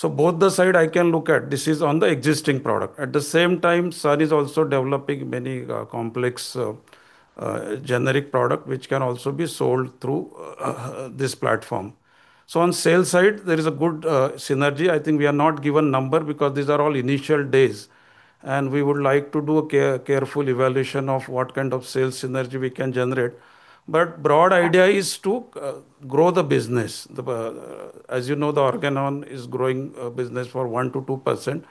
Both the side I can look at, this is on the existing product. At the same time, Sun is also developing many complex generic products which can also be sold through this platform. On sales side, there is a good synergy. I think we are not giving numbers because these are all initial days, and we would like to do a careful evaluation of what kind of sales synergy we can generate. Broad idea is to grow the business. As you know, the Organon is growing its business at 1%-2%,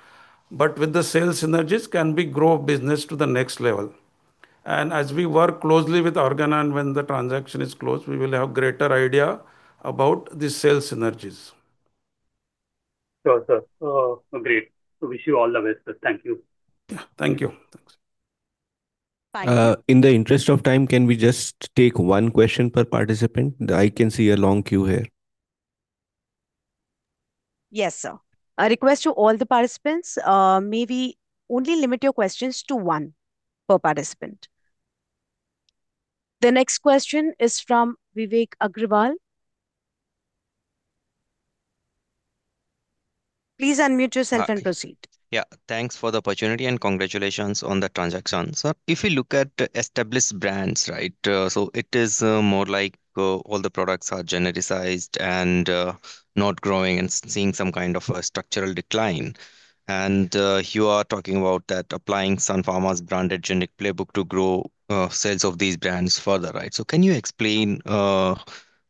but with the sales synergies we can grow the business to the next level. As we work closely with Organon, when the transaction is closed, we will have a greater idea about the sales synergies. Sure, sir. Agreed. Wish you all the best, sir. Thank you. Yeah. Thank you. Thanks. Bye. In the interest of time, can we just take one question per participant? I can see a long queue here. Yes, sir. A request to all the participants, may we only limit your questions to one per participant. The next question is from Vivek Agrawal. Please unmute yourself and proceed. Yeah. Thanks for the opportunity, and congratulations on the transaction. If you look at established brands, right? It is more like all the products are genericized and not growing and seeing some kind of a structural decline. You are talking about that applying Sun Pharma's branded generic playbook to grow sales of these brands further, right? Can you explain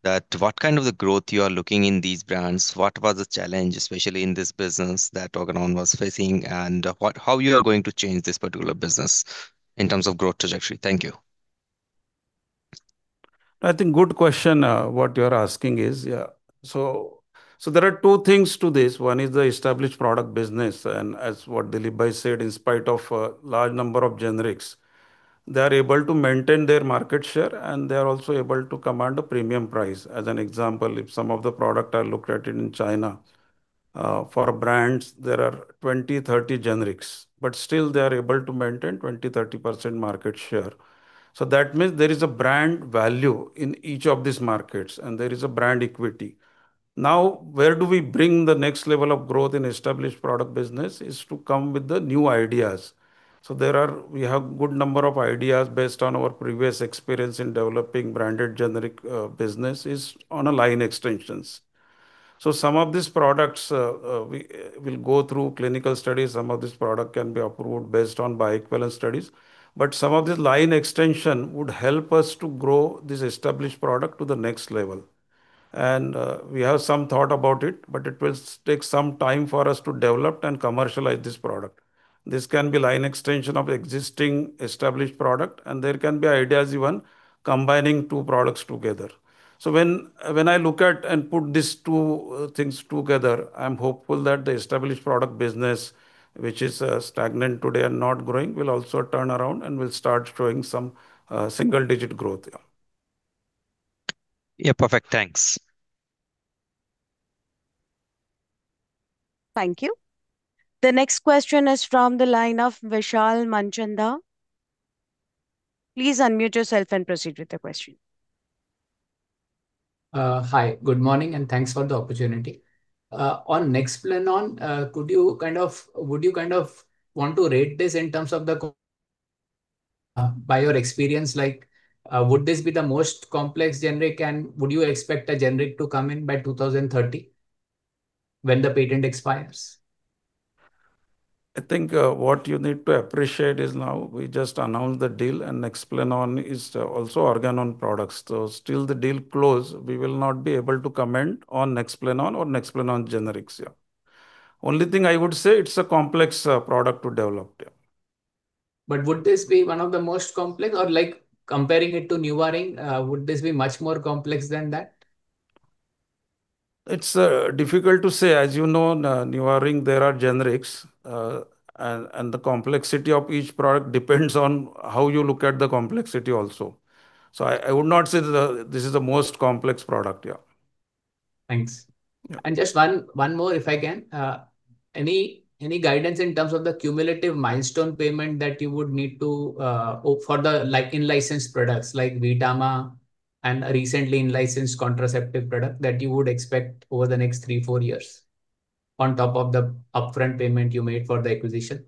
that what kind of the growth you are looking in these brands? What was the challenge, especially in this business, that Organon was facing, and how you are going to change this particular business in terms of growth trajectory? Thank you. I think it's a good question, what you're asking is. There are two things to this. One is the established product business, and as Dilip have said, in spite of a large number of generics, they're able to maintain their market share and they're also able to command a premium price. As an example, some of the products I looked at in China, for brands there are 20-30 generics, but still they are able to maintain 20%-30% market share. That means there is a brand value in each of these markets, and there is a brand equity. Now, where do we bring the next level of growth in established product business is to come with the new ideas. There are... We have good number of ideas based on our previous experience in developing branded generic business, on line extensions. Some of these products we will go through clinical studies, some of this product can be approved based on bioequivalence studies. Some of the line extension would help us to grow this established product to the next level. We have some thought about it, but it will take some time for us to develop and commercialize this product. This can be line extension of existing established product, and there can be ideas even combining two products together. When I look at and put these two things together, I'm hopeful that the established product business, which is stagnant today and not growing, will also turn around and will start showing some single digit growth. Yeah. Perfect. Thanks. Thank you. The next question is from the line of Vishal Manchanda. Please unmute yourself and proceed with your question. Hi. Good morning, and thanks for the opportunity. On Nexplanon, by your experience, like, would this be the most complex generic and would you expect a generic to come in by 2030 when the patent expires? I think, what you need to appreciate is now we just announced the deal and Nexplanon is also Organon products. So still the deal close, we will not be able to comment on Nexplanon or Nexplanon generics. Yeah. Only thing I would say, it's a complex product to develop. Yeah. Would this be one of the most complex or, like, comparing it to NuvaRing, would this be much more complex than that? It's difficult to say. As you know, NuvaRing, there are generics. The complexity of each product depends on how you look at the complexity also. I would not say that this is the most complex product, yeah. Thanks. Yeah. Just one more if I can. Any guidance in terms of the cumulative milestone payment that you would need to for the, like, in-licensed products like VTAMA and a recently in-licensed contraceptive product that you would expect over the next three to four years on top of the upfront payment you made for the acquisition?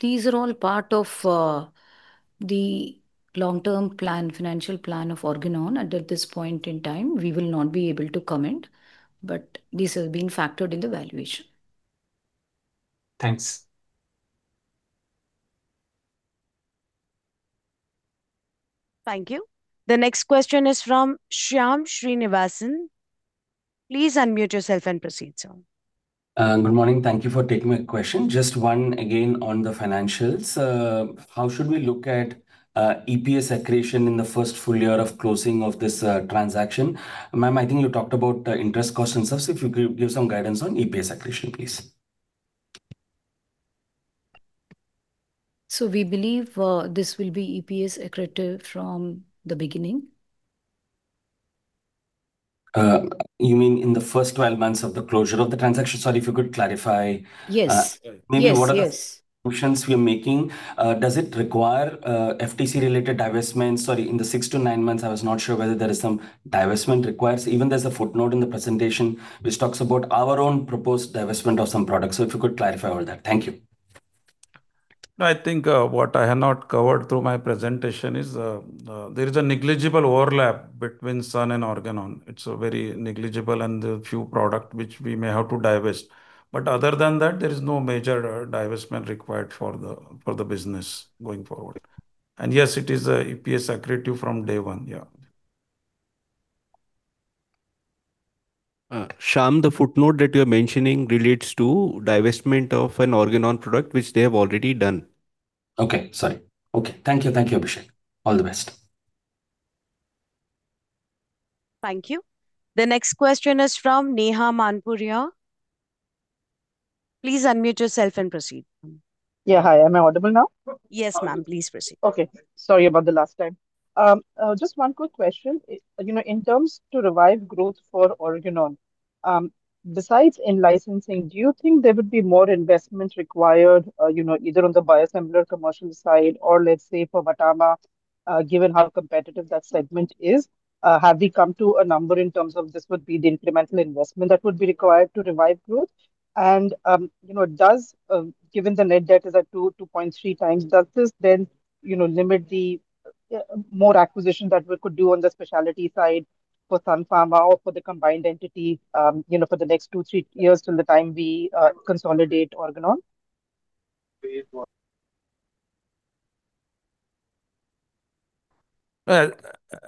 These are all part of the long-term plan, financial plan of Organon, and at this point in time we will not be able to comment, but this has been factored in the valuation. Thanks. Thank you. The next question is from Shyam Srinivasan. Please unmute yourself and proceed, sir. Good morning. Thank you for taking my question. Just one again on the financials. How should we look at EPS accretion in the first full year of closing of this transaction? Ma'am, I think you talked about interest cost and stuff, so if you could give some guidance on EPS accretion, please. We believe this will be EPS accretive from the beginning. You mean in the first 12 months of the closure of the transaction? Sorry, if you could clarify. Yes. Yes, yes. Maybe what are the assumptions we are making. Does it require FTC related divestments? Sorry, in the six to nine months I was not sure whether there is some divestment requires. Even there's a footnote in the presentation which talks about our own proposed divestment of some products. If you could clarify all that. Thank you. No, I think what I have not covered through my presentation is there is a negligible overlap between Sun and Organon. It's very negligible and a few product which we may have to divest. Other than that, there is no major divestment required for the business going forward. Yes, it is EPS accretive from day one. Yeah. Shyam, the footnote that you're mentioning relates to divestment of an Organon product which they have already done. Thank you. Thank you, Abhishek. All the best. Thank you. The next question is from Neha Manpuria. Please unmute yourself and proceed. Yeah, hi. Am I audible now? Yes, ma'am. Please proceed. Sorry about the last time. Just one quick question. You know, in terms to revive growth for Organon, besides in-licensing, do you think there would be more investments required, you know, either on the biosimilar commercial side or let's say for VTAMA, given how competitive that segment is? Have we come to a number in terms of this would be the incremental investment that would be required to revive growth? And, you know, does, given the net debt is at 2.3x, does this then, you know, limit the more acquisition that we could do on the specialty side for Sun Pharma or for the combined entity, you know, for the next two to three years till the time we consolidate Organon? Well,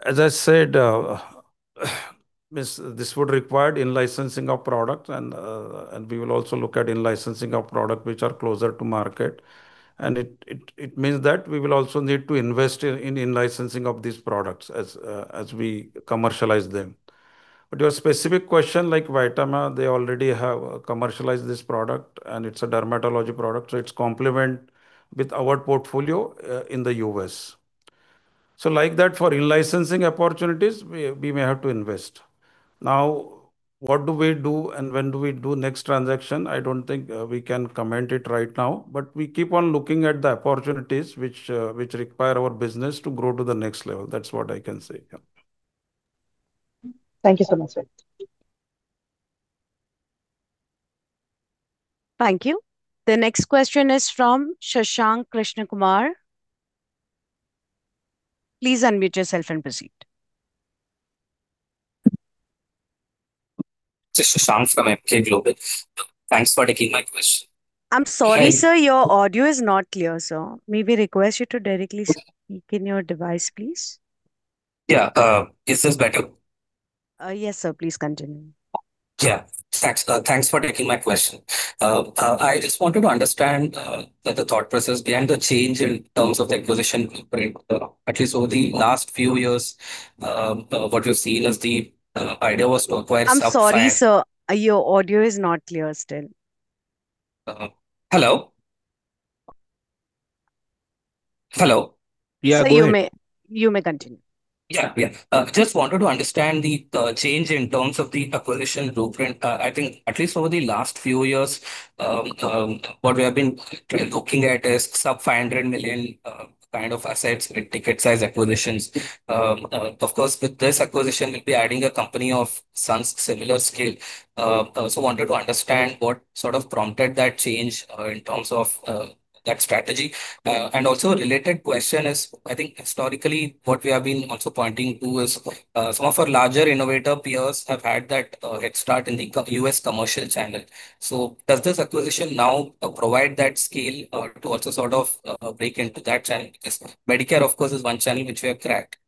as I said, this would require in-licensing of product and we will also look at in-licensing of product which are closer to market. It means that we will also need to invest in in-licensing of these products as we commercialize them. Your specific question, like VTAMA, they already have commercialized this product and it's a dermatology product, so it's complementary with our portfolio in the U.S. Like that for in-licensing opportunities, we may have to invest. Now, what do we do and when do we do next transaction, I don't think we can comment it right now. We keep on looking at the opportunities which require our business to grow to the next level. That's what I can say. Yeah. Thank you so much. Thank you. The next question is from Shashank Krishnakumar. Please unmute yourself and proceed. This is Shashank from Emkay Global. Thanks for taking my question. I'm sorry, sir. Your audio is not clear, sir. May we request you to directly speak in your device, please? Yeah. Is this better? Yes sir. Please continue. Yeah. Thanks, thanks for taking my question. I just wanted to understand the thought process behind the change in terms of the acquisition print. At least over the last few years, what we've seen is the idea was to acquire- I'm sorry, sir. Your audio is not clear still. Hello? Hello? Yeah, go ahead. Sir, you may continue. Just wanted to understand the change in terms of the acquisition blueprint. I think at least over the last few years, what we have been looking at is sub $500 million kind of assets with ticket size acquisitions. Of course, with this acquisition we'll be adding a company of Sun's similar scale. Also wanted to understand what sort of prompted that change in terms of that strategy. And also a related question is, I think historically what we have been also pointing to is, some of our larger innovator peers have had that head start in the U.S. commercial channel. Does this acquisition now provide that scale to also sort of break into that channel? Medicare, of course, is one channel which we have cracked.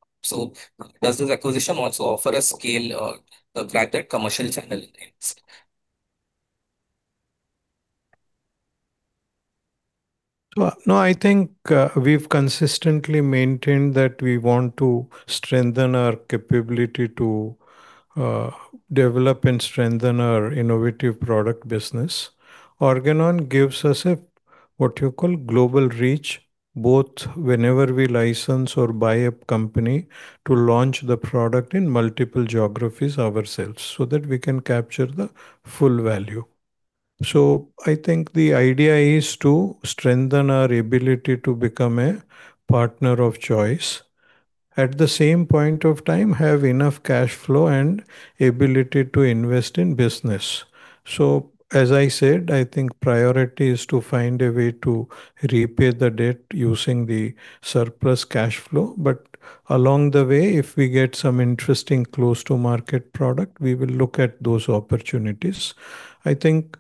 Does this acquisition also offer a scale or a greater commercial channel next? Well, no, I think, we've consistently maintained that we want to strengthen our capability to develop and strengthen our innovative product business. Organon gives us a, what you call, global reach, both whenever we license or buy a company to launch the product in multiple geographies ourselves so that we can capture the full value. I think the idea is to strengthen our ability to become a partner of choice, and at the same point of time, have enough cash flow and ability to invest in business. As I said, I think priority is to find a way to repay the debt using the surplus cash flow. But along the way, if we get some interesting close-to-market product, we will look at those opportunities. I think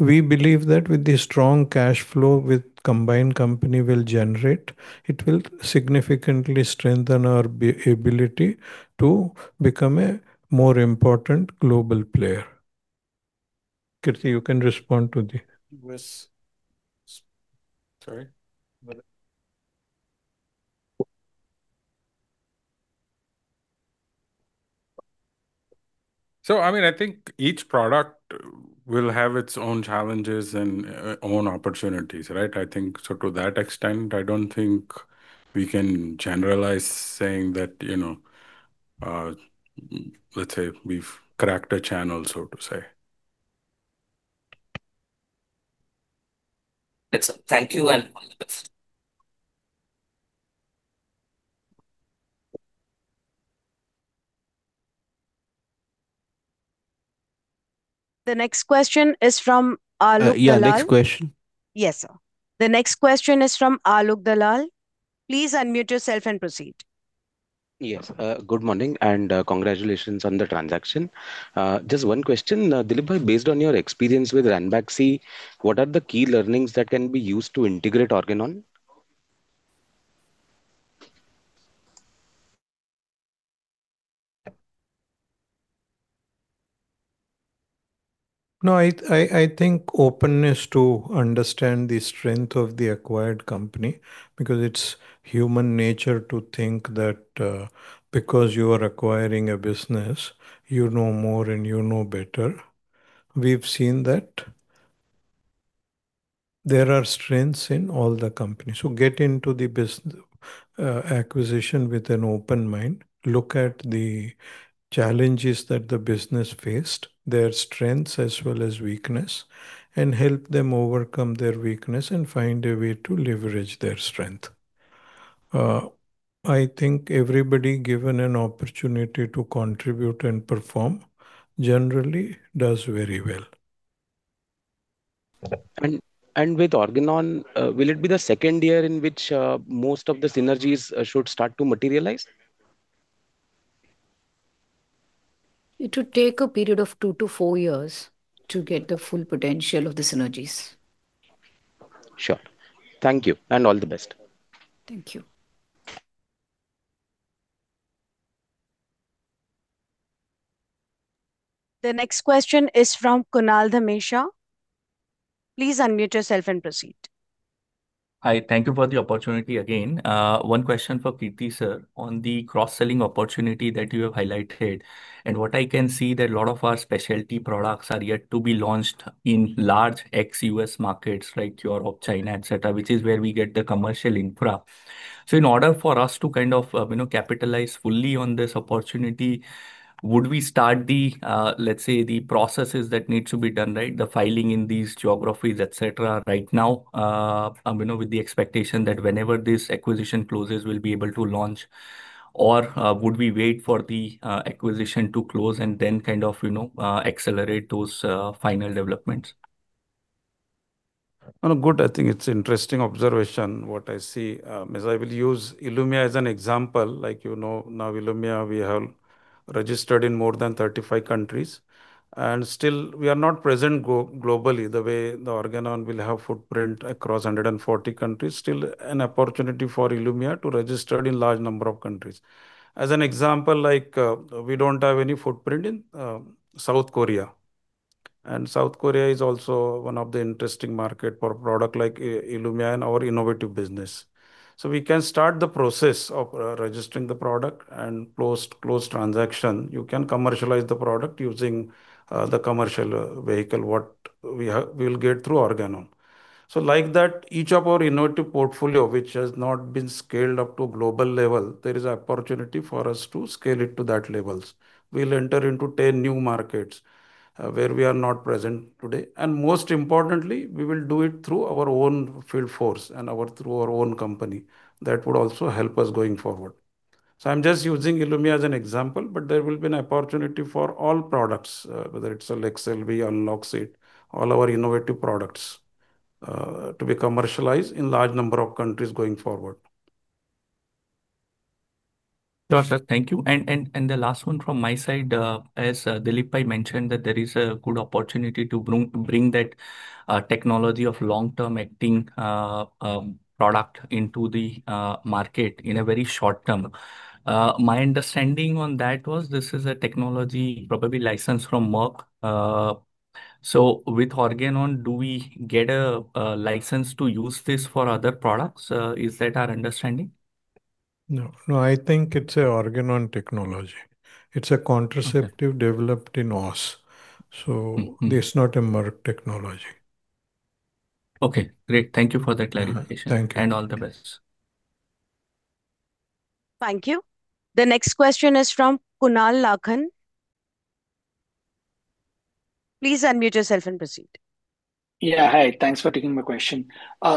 we believe that with the strong cash flow the combined company will generate, it will significantly strengthen our ability to become a more important global player. Kirti, you can respond to the- I mean, I think each product will have its own challenges and own opportunities, right? I think so to that extent, I don't think we can generalize saying that, you know, let's say, we've cracked a channel, so to say. Excellent. Thank you and all the best. The next question is from Alok Dalal. Yeah, next question. Yes, sir. The next question is from Alok Dalal. Please unmute yourself and proceed. Yes. Good morning and, congratulations on the transaction. Just one question. Dilip, based on your experience with Ranbaxy, what are the key learnings that can be used to integrate Organon? No, I think openness to understand the strength of the acquired company, because it's human nature to think that, because you are acquiring a business, you know more and you know better. We've seen that there are strengths in all the companies who get into the acquisition with an open mind. Look at the challenges that the business faced, their strengths as well as weakness, and help them overcome their weakness and find a way to leverage their strength. I think everybody given an opportunity to contribute and perform generally does very well. With Organon, will it be the second year in which most of the synergies should start to materialize? It will take a period of two to four years to get the full potential of the synergies. Sure. Thank you and all the best. Thank you. The next question is from Kunal Dhamesha. Please unmute yourself and proceed. Hi. Thank you for the opportunity again. One question for Kirti, sir. On the cross-selling opportunity that you have highlighted, and what I can see that a lot of our specialty products are yet to be launched in large ex-U.S. markets, like Europe, China, et cetera, which is where we get the commercial infra. So in order for us to kind of, you know, capitalize fully on this opportunity, would we start the, let's say, the processes that need to be done, right, the filing in these geographies, et cetera, right now, you know, with the expectation that whenever this acquisition closes, we'll be able to launch? Or, would we wait for the, acquisition to close and then kind of, you know, accelerate those, final developments? Well, good. I think it's interesting observation what I see is I will use ILUMYA as an example. Like, you know, now ILUMYA we have registered in more than 35 countries, and still we are not present globally the way Organon will have footprint across 140 countries. Still an opportunity for ILUMYA to register in large number of countries. As an example, like, we don't have any footprint in South Korea, and South Korea is also one of the interesting market for product like ILUMYA and our innovative business. We can start the process of registering the product and post close transaction. You can commercialize the product using the commercial vehicle what we have we'll get through Organon. Like that, each of our innovative portfolio which has not been scaled up to global level, there is opportunity for us to scale it to that levels. We'll enter into 10 new markets, where we are not present today. Most importantly, we will do it through our own field force and through our own company. That would also help us going forward. I'm just using ILUMYA as an example, but there will be an opportunity for all products, whether it's LEQSELVI, UNLOXCYT, all our innovative products, to be commercialized in large number of countries going forward. Sure, sir. Thank you. The last one from my side, as Dilip have mentioned, that there is a good opportunity to bring that technology of long-term acting product into the market in a very short term. My understanding on that was this is a technology probably licensed from Merck. With Organon, do we get a license to use this for other products? Is that our understanding? No, I think it's a Organon technology. It's a contraceptive. Okay. developed in U.S. Mm-hmm. It's not a Merck technology. Okay. Great. Thank you for that clarification. Thank you. All the best. Thank you. The next question is from Kunal Lakhan. Please unmute yourself and proceed. Yeah. Hi. Thanks for taking my question.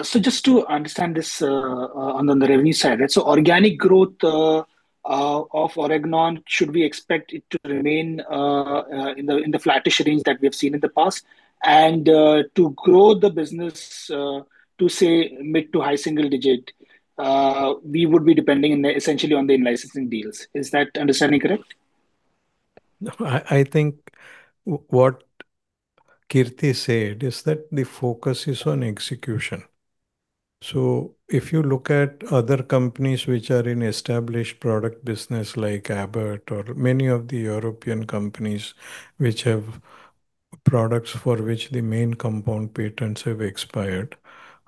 Just to understand this, on the revenue side. Organic growth of Organon, should we expect it to remain in the flattish range that we have seen in the past? To grow the business to, say, mid- to high-single-digit, we would be depending on essentially the in-licensing deals. Is that understanding correct? No. I think what Kirti said is that the focus is on execution. If you look at other companies which are in established product business like Abbott or many of the European companies which have products for which the main compound patents have expired,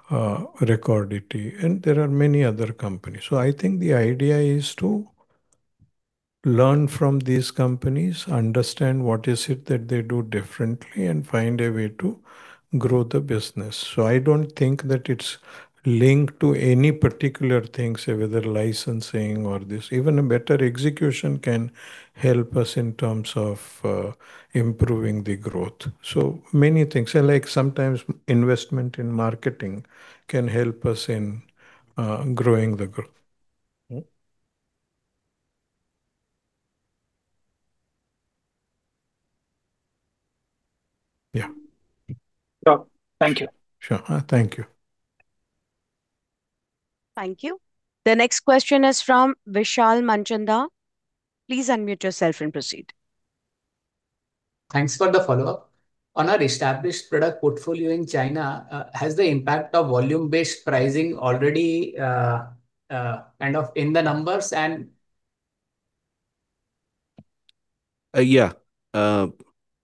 Recordati, and there are many other companies. I think the idea is to learn from these companies, understand what is it that they do differently, and find a way to grow the business. I don't think that it's linked to any particular things, whether licensing or this. Even a better execution can help us in terms of improving the growth. Many things. Like, sometimes investment in marketing can help us in growing the growth. Sure. Thank you. Sure. Thank you. Thank you. The next question is from Vishal Manchanda. Please unmute yourself and proceed. Thanks for the follow-up. On our established product portfolio in China, has the impact of volume-based pricing already kind of in the numbers and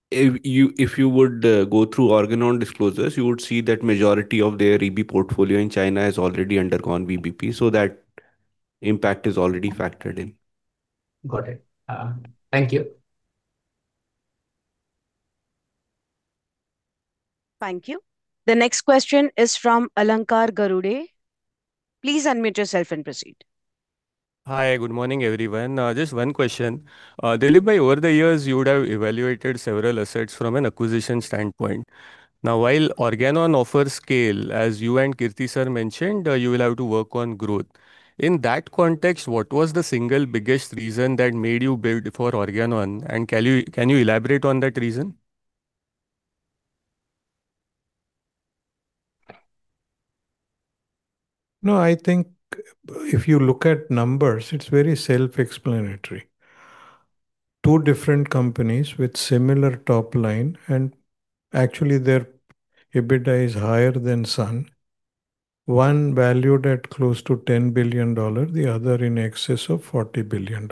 If you would go through Organon disclosures, you would see that majority of their EB portfolio in China has already undergone VBP, so that impact is already factored in. Got it. Thank you. Thank you. The next question is from Alankar Garude. Please unmute yourself and proceed. Hi. Good morning, everyone. Just one question. Dilip, over the years you would have evaluated several assets from an acquisition standpoint. Now, while Organon offers scale, as you and Kirti, sir, mentioned, you will have to work on growth. In that context, what was the single biggest reason that made you bid for Organon, and can you elaborate on that reason? No, I think if you look at numbers, it's very self-explanatory. Two different companies with similar top line and actually their EBITDA is higher than Sun. One valued at close to $10 billion, the other in excess of $40 billion.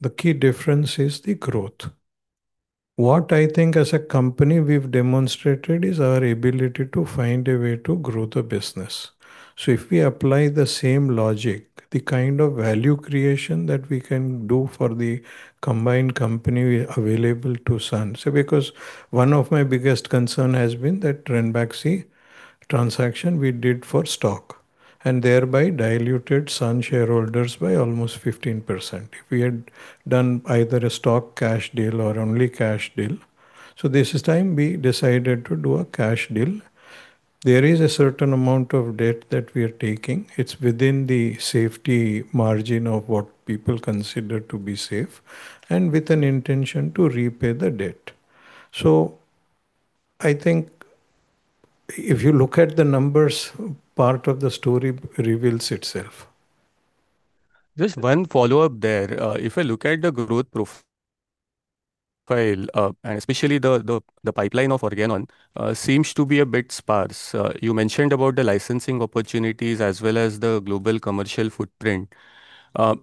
The key difference is the growth. What I think as a company we've demonstrated is our ability to find a way to grow the business. If we apply the same logic, the kind of value creation that we can do for the combined company available to Sun. Because one of my biggest concern has been that Ranbaxy transaction we did for stock, and thereby diluted Sun shareholders by almost 15%. If we had done either a stock cash deal or only cash deal. This time we decided to do a cash deal. There is a certain amount of debt that we are taking. It's within the safety margin of what people consider to be safe, and with an intention to repay the debt. I think if you look at the numbers, part of the story reveals itself. Just one follow-up there. If I look at the growth profile, and especially the pipeline of Organon, seems to be a bit sparse. You mentioned about the licensing opportunities as well as the global commercial footprint.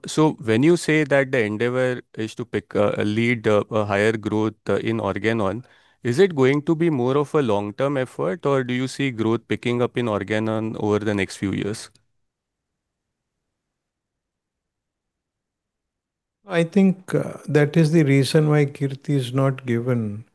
So when you say that the endeavor is to pick a lead, a higher growth in Organon, is it going to be more of a long-term effort or do you see growth picking up in Organon over the next few years? I think that is the reason why Kirti has not given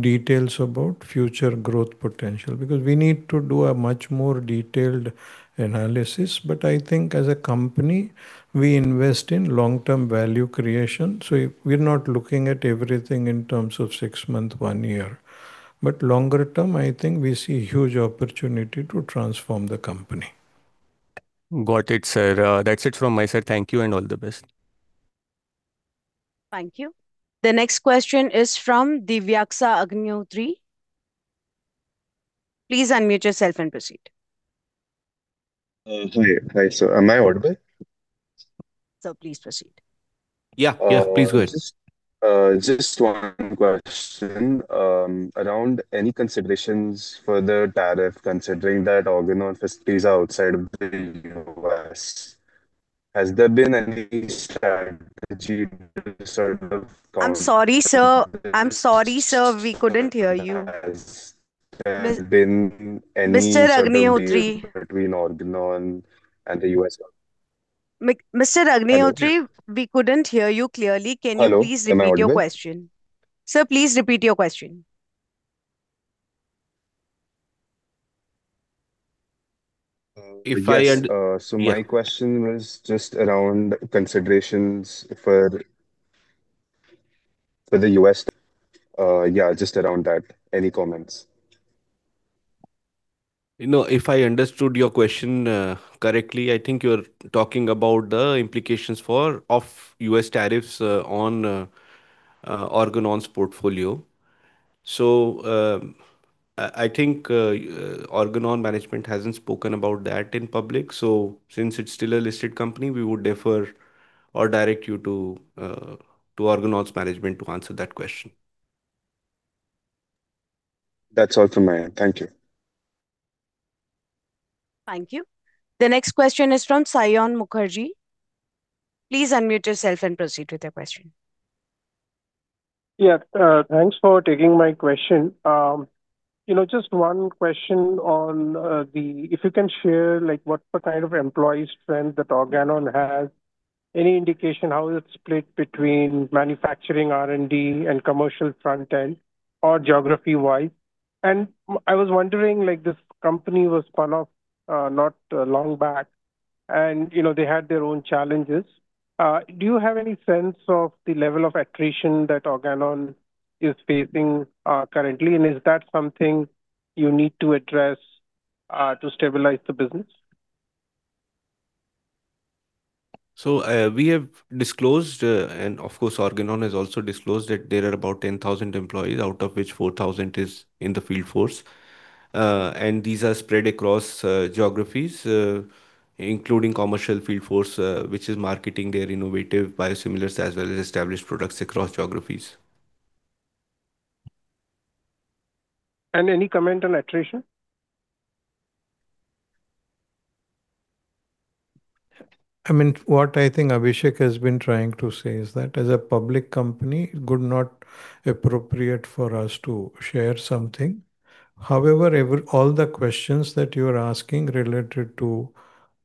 details about future growth potential, because we need to do a much more detailed analysis. I think as a company, we invest in long-term value creation, so we're not looking at everything in terms of six-month, one-year. Longer term, I think we see huge opportunity to transform the company. Got it, sir. That's it from my side. Thank you and all the best. Thank you. The next question is from Divyaxa Agnihotri. Please unmute yourself and proceed. Hi. Hi, sir. Am I audible? Sir, please proceed. Yeah. Yeah, please go ahead. Just one question around any considerations for the tariff, considering that Organon facilities are outside of the U.S. Has there been any strategy to sort of- I'm sorry, sir, we couldn't hear you. Has there been any? Mr. Agnihotri. between Organon and the U.S.? Mr. Agnihotri, we couldn't hear you clearly. Can you please- Hello. Am I audible? repeat your question? Sir, please repeat your question. If I under- Yes, my question was just around considerations for the U.S. Yeah, just around that. Any comments? You know, if I understood your question correctly, I think you're talking about the implications of U.S. tariffs on Organon's portfolio. I think Organon management hasn't spoken about that in public, so since it's still a listed company, we would defer or direct you to Organon's management to answer that question. That's all from my end. Thank you. Thank you. The next question is from Saion Mukherjee. Please unmute yourself and proceed with your question. Yeah. Thanks for taking my question. You know, just one question on, if you can share, like, what kind of employee strength that Organon has. Any indication how it's split between manufacturing, R&D and commercial front end or geography-wise? I was wondering, like, this company was spun off, not long back and, you know, they had their own challenges. Do you have any sense of the level of attrition that Organon is facing, currently, and is that something you need to address to stabilize the business? We have disclosed, and of course Organon has also disclosed, that there are about 10,000 employees, out of which 4,000 is in the field force. These are spread across geographies, including commercial field force, which is marketing their innovative biosimilars as well as established products across geographies. Any comment on attrition? I mean, what I think Abhishek has been trying to say is that as a public company it would not be appropriate for us to share something. However, all the questions that you are asking related to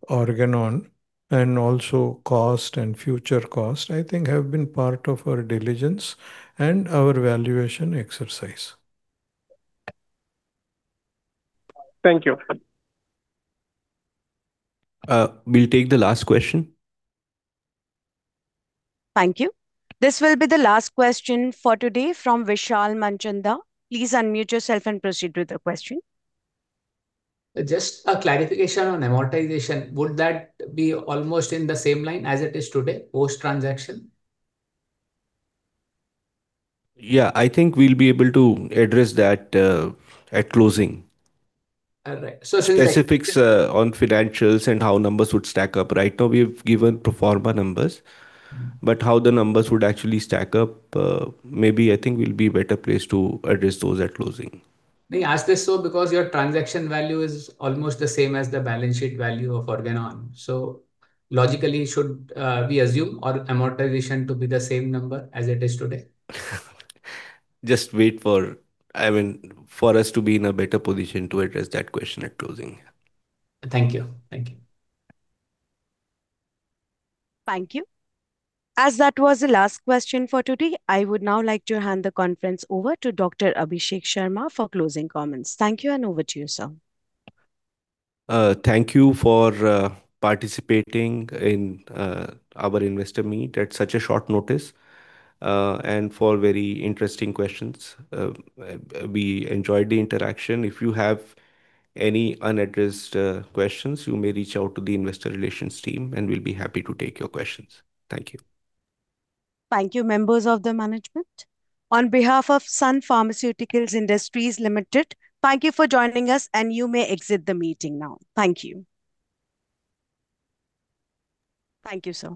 Organon and also cost and future cost, I think have been part of our diligence and our valuation exercise. Thank you. We'll take the last question. Thank you. This will be the last question for today from Vishal Manchanda. Please unmute yourself and proceed with your question. Just a clarification on amortization. Would that be almost in the same line as it is today post-transaction? Yeah. I think we'll be able to address that at closing. All right. Specifics on financials and how numbers would stack up. Right now we've given pro forma numbers. How the numbers would actually stack up, maybe I think we'll be better placed to address those at closing. I ask this so because your transaction value is almost the same as the balance sheet value of Organon. Logically should we assume our amortization to be the same number as it is today? I mean, for us to be in a better position to address that question at closing. Thank you. Thank you. Thank you. As that was the last question for today, I would now like to hand the conference over to Dr. Abhishek Sharma for closing comments. Thank you, and over to you, sir. Thank you for participating in our investor meet at such a short notice, and for very interesting questions. We enjoyed the interaction. If you have any unaddressed questions, you may reach out to the investor relations team, and we'll be happy to take your questions. Thank you. Thank you, members of the management. On behalf of Sun Pharmaceutical Industries Limited, thank you for joining us, and you may exit the meeting now. Thank you. Thank you, sir.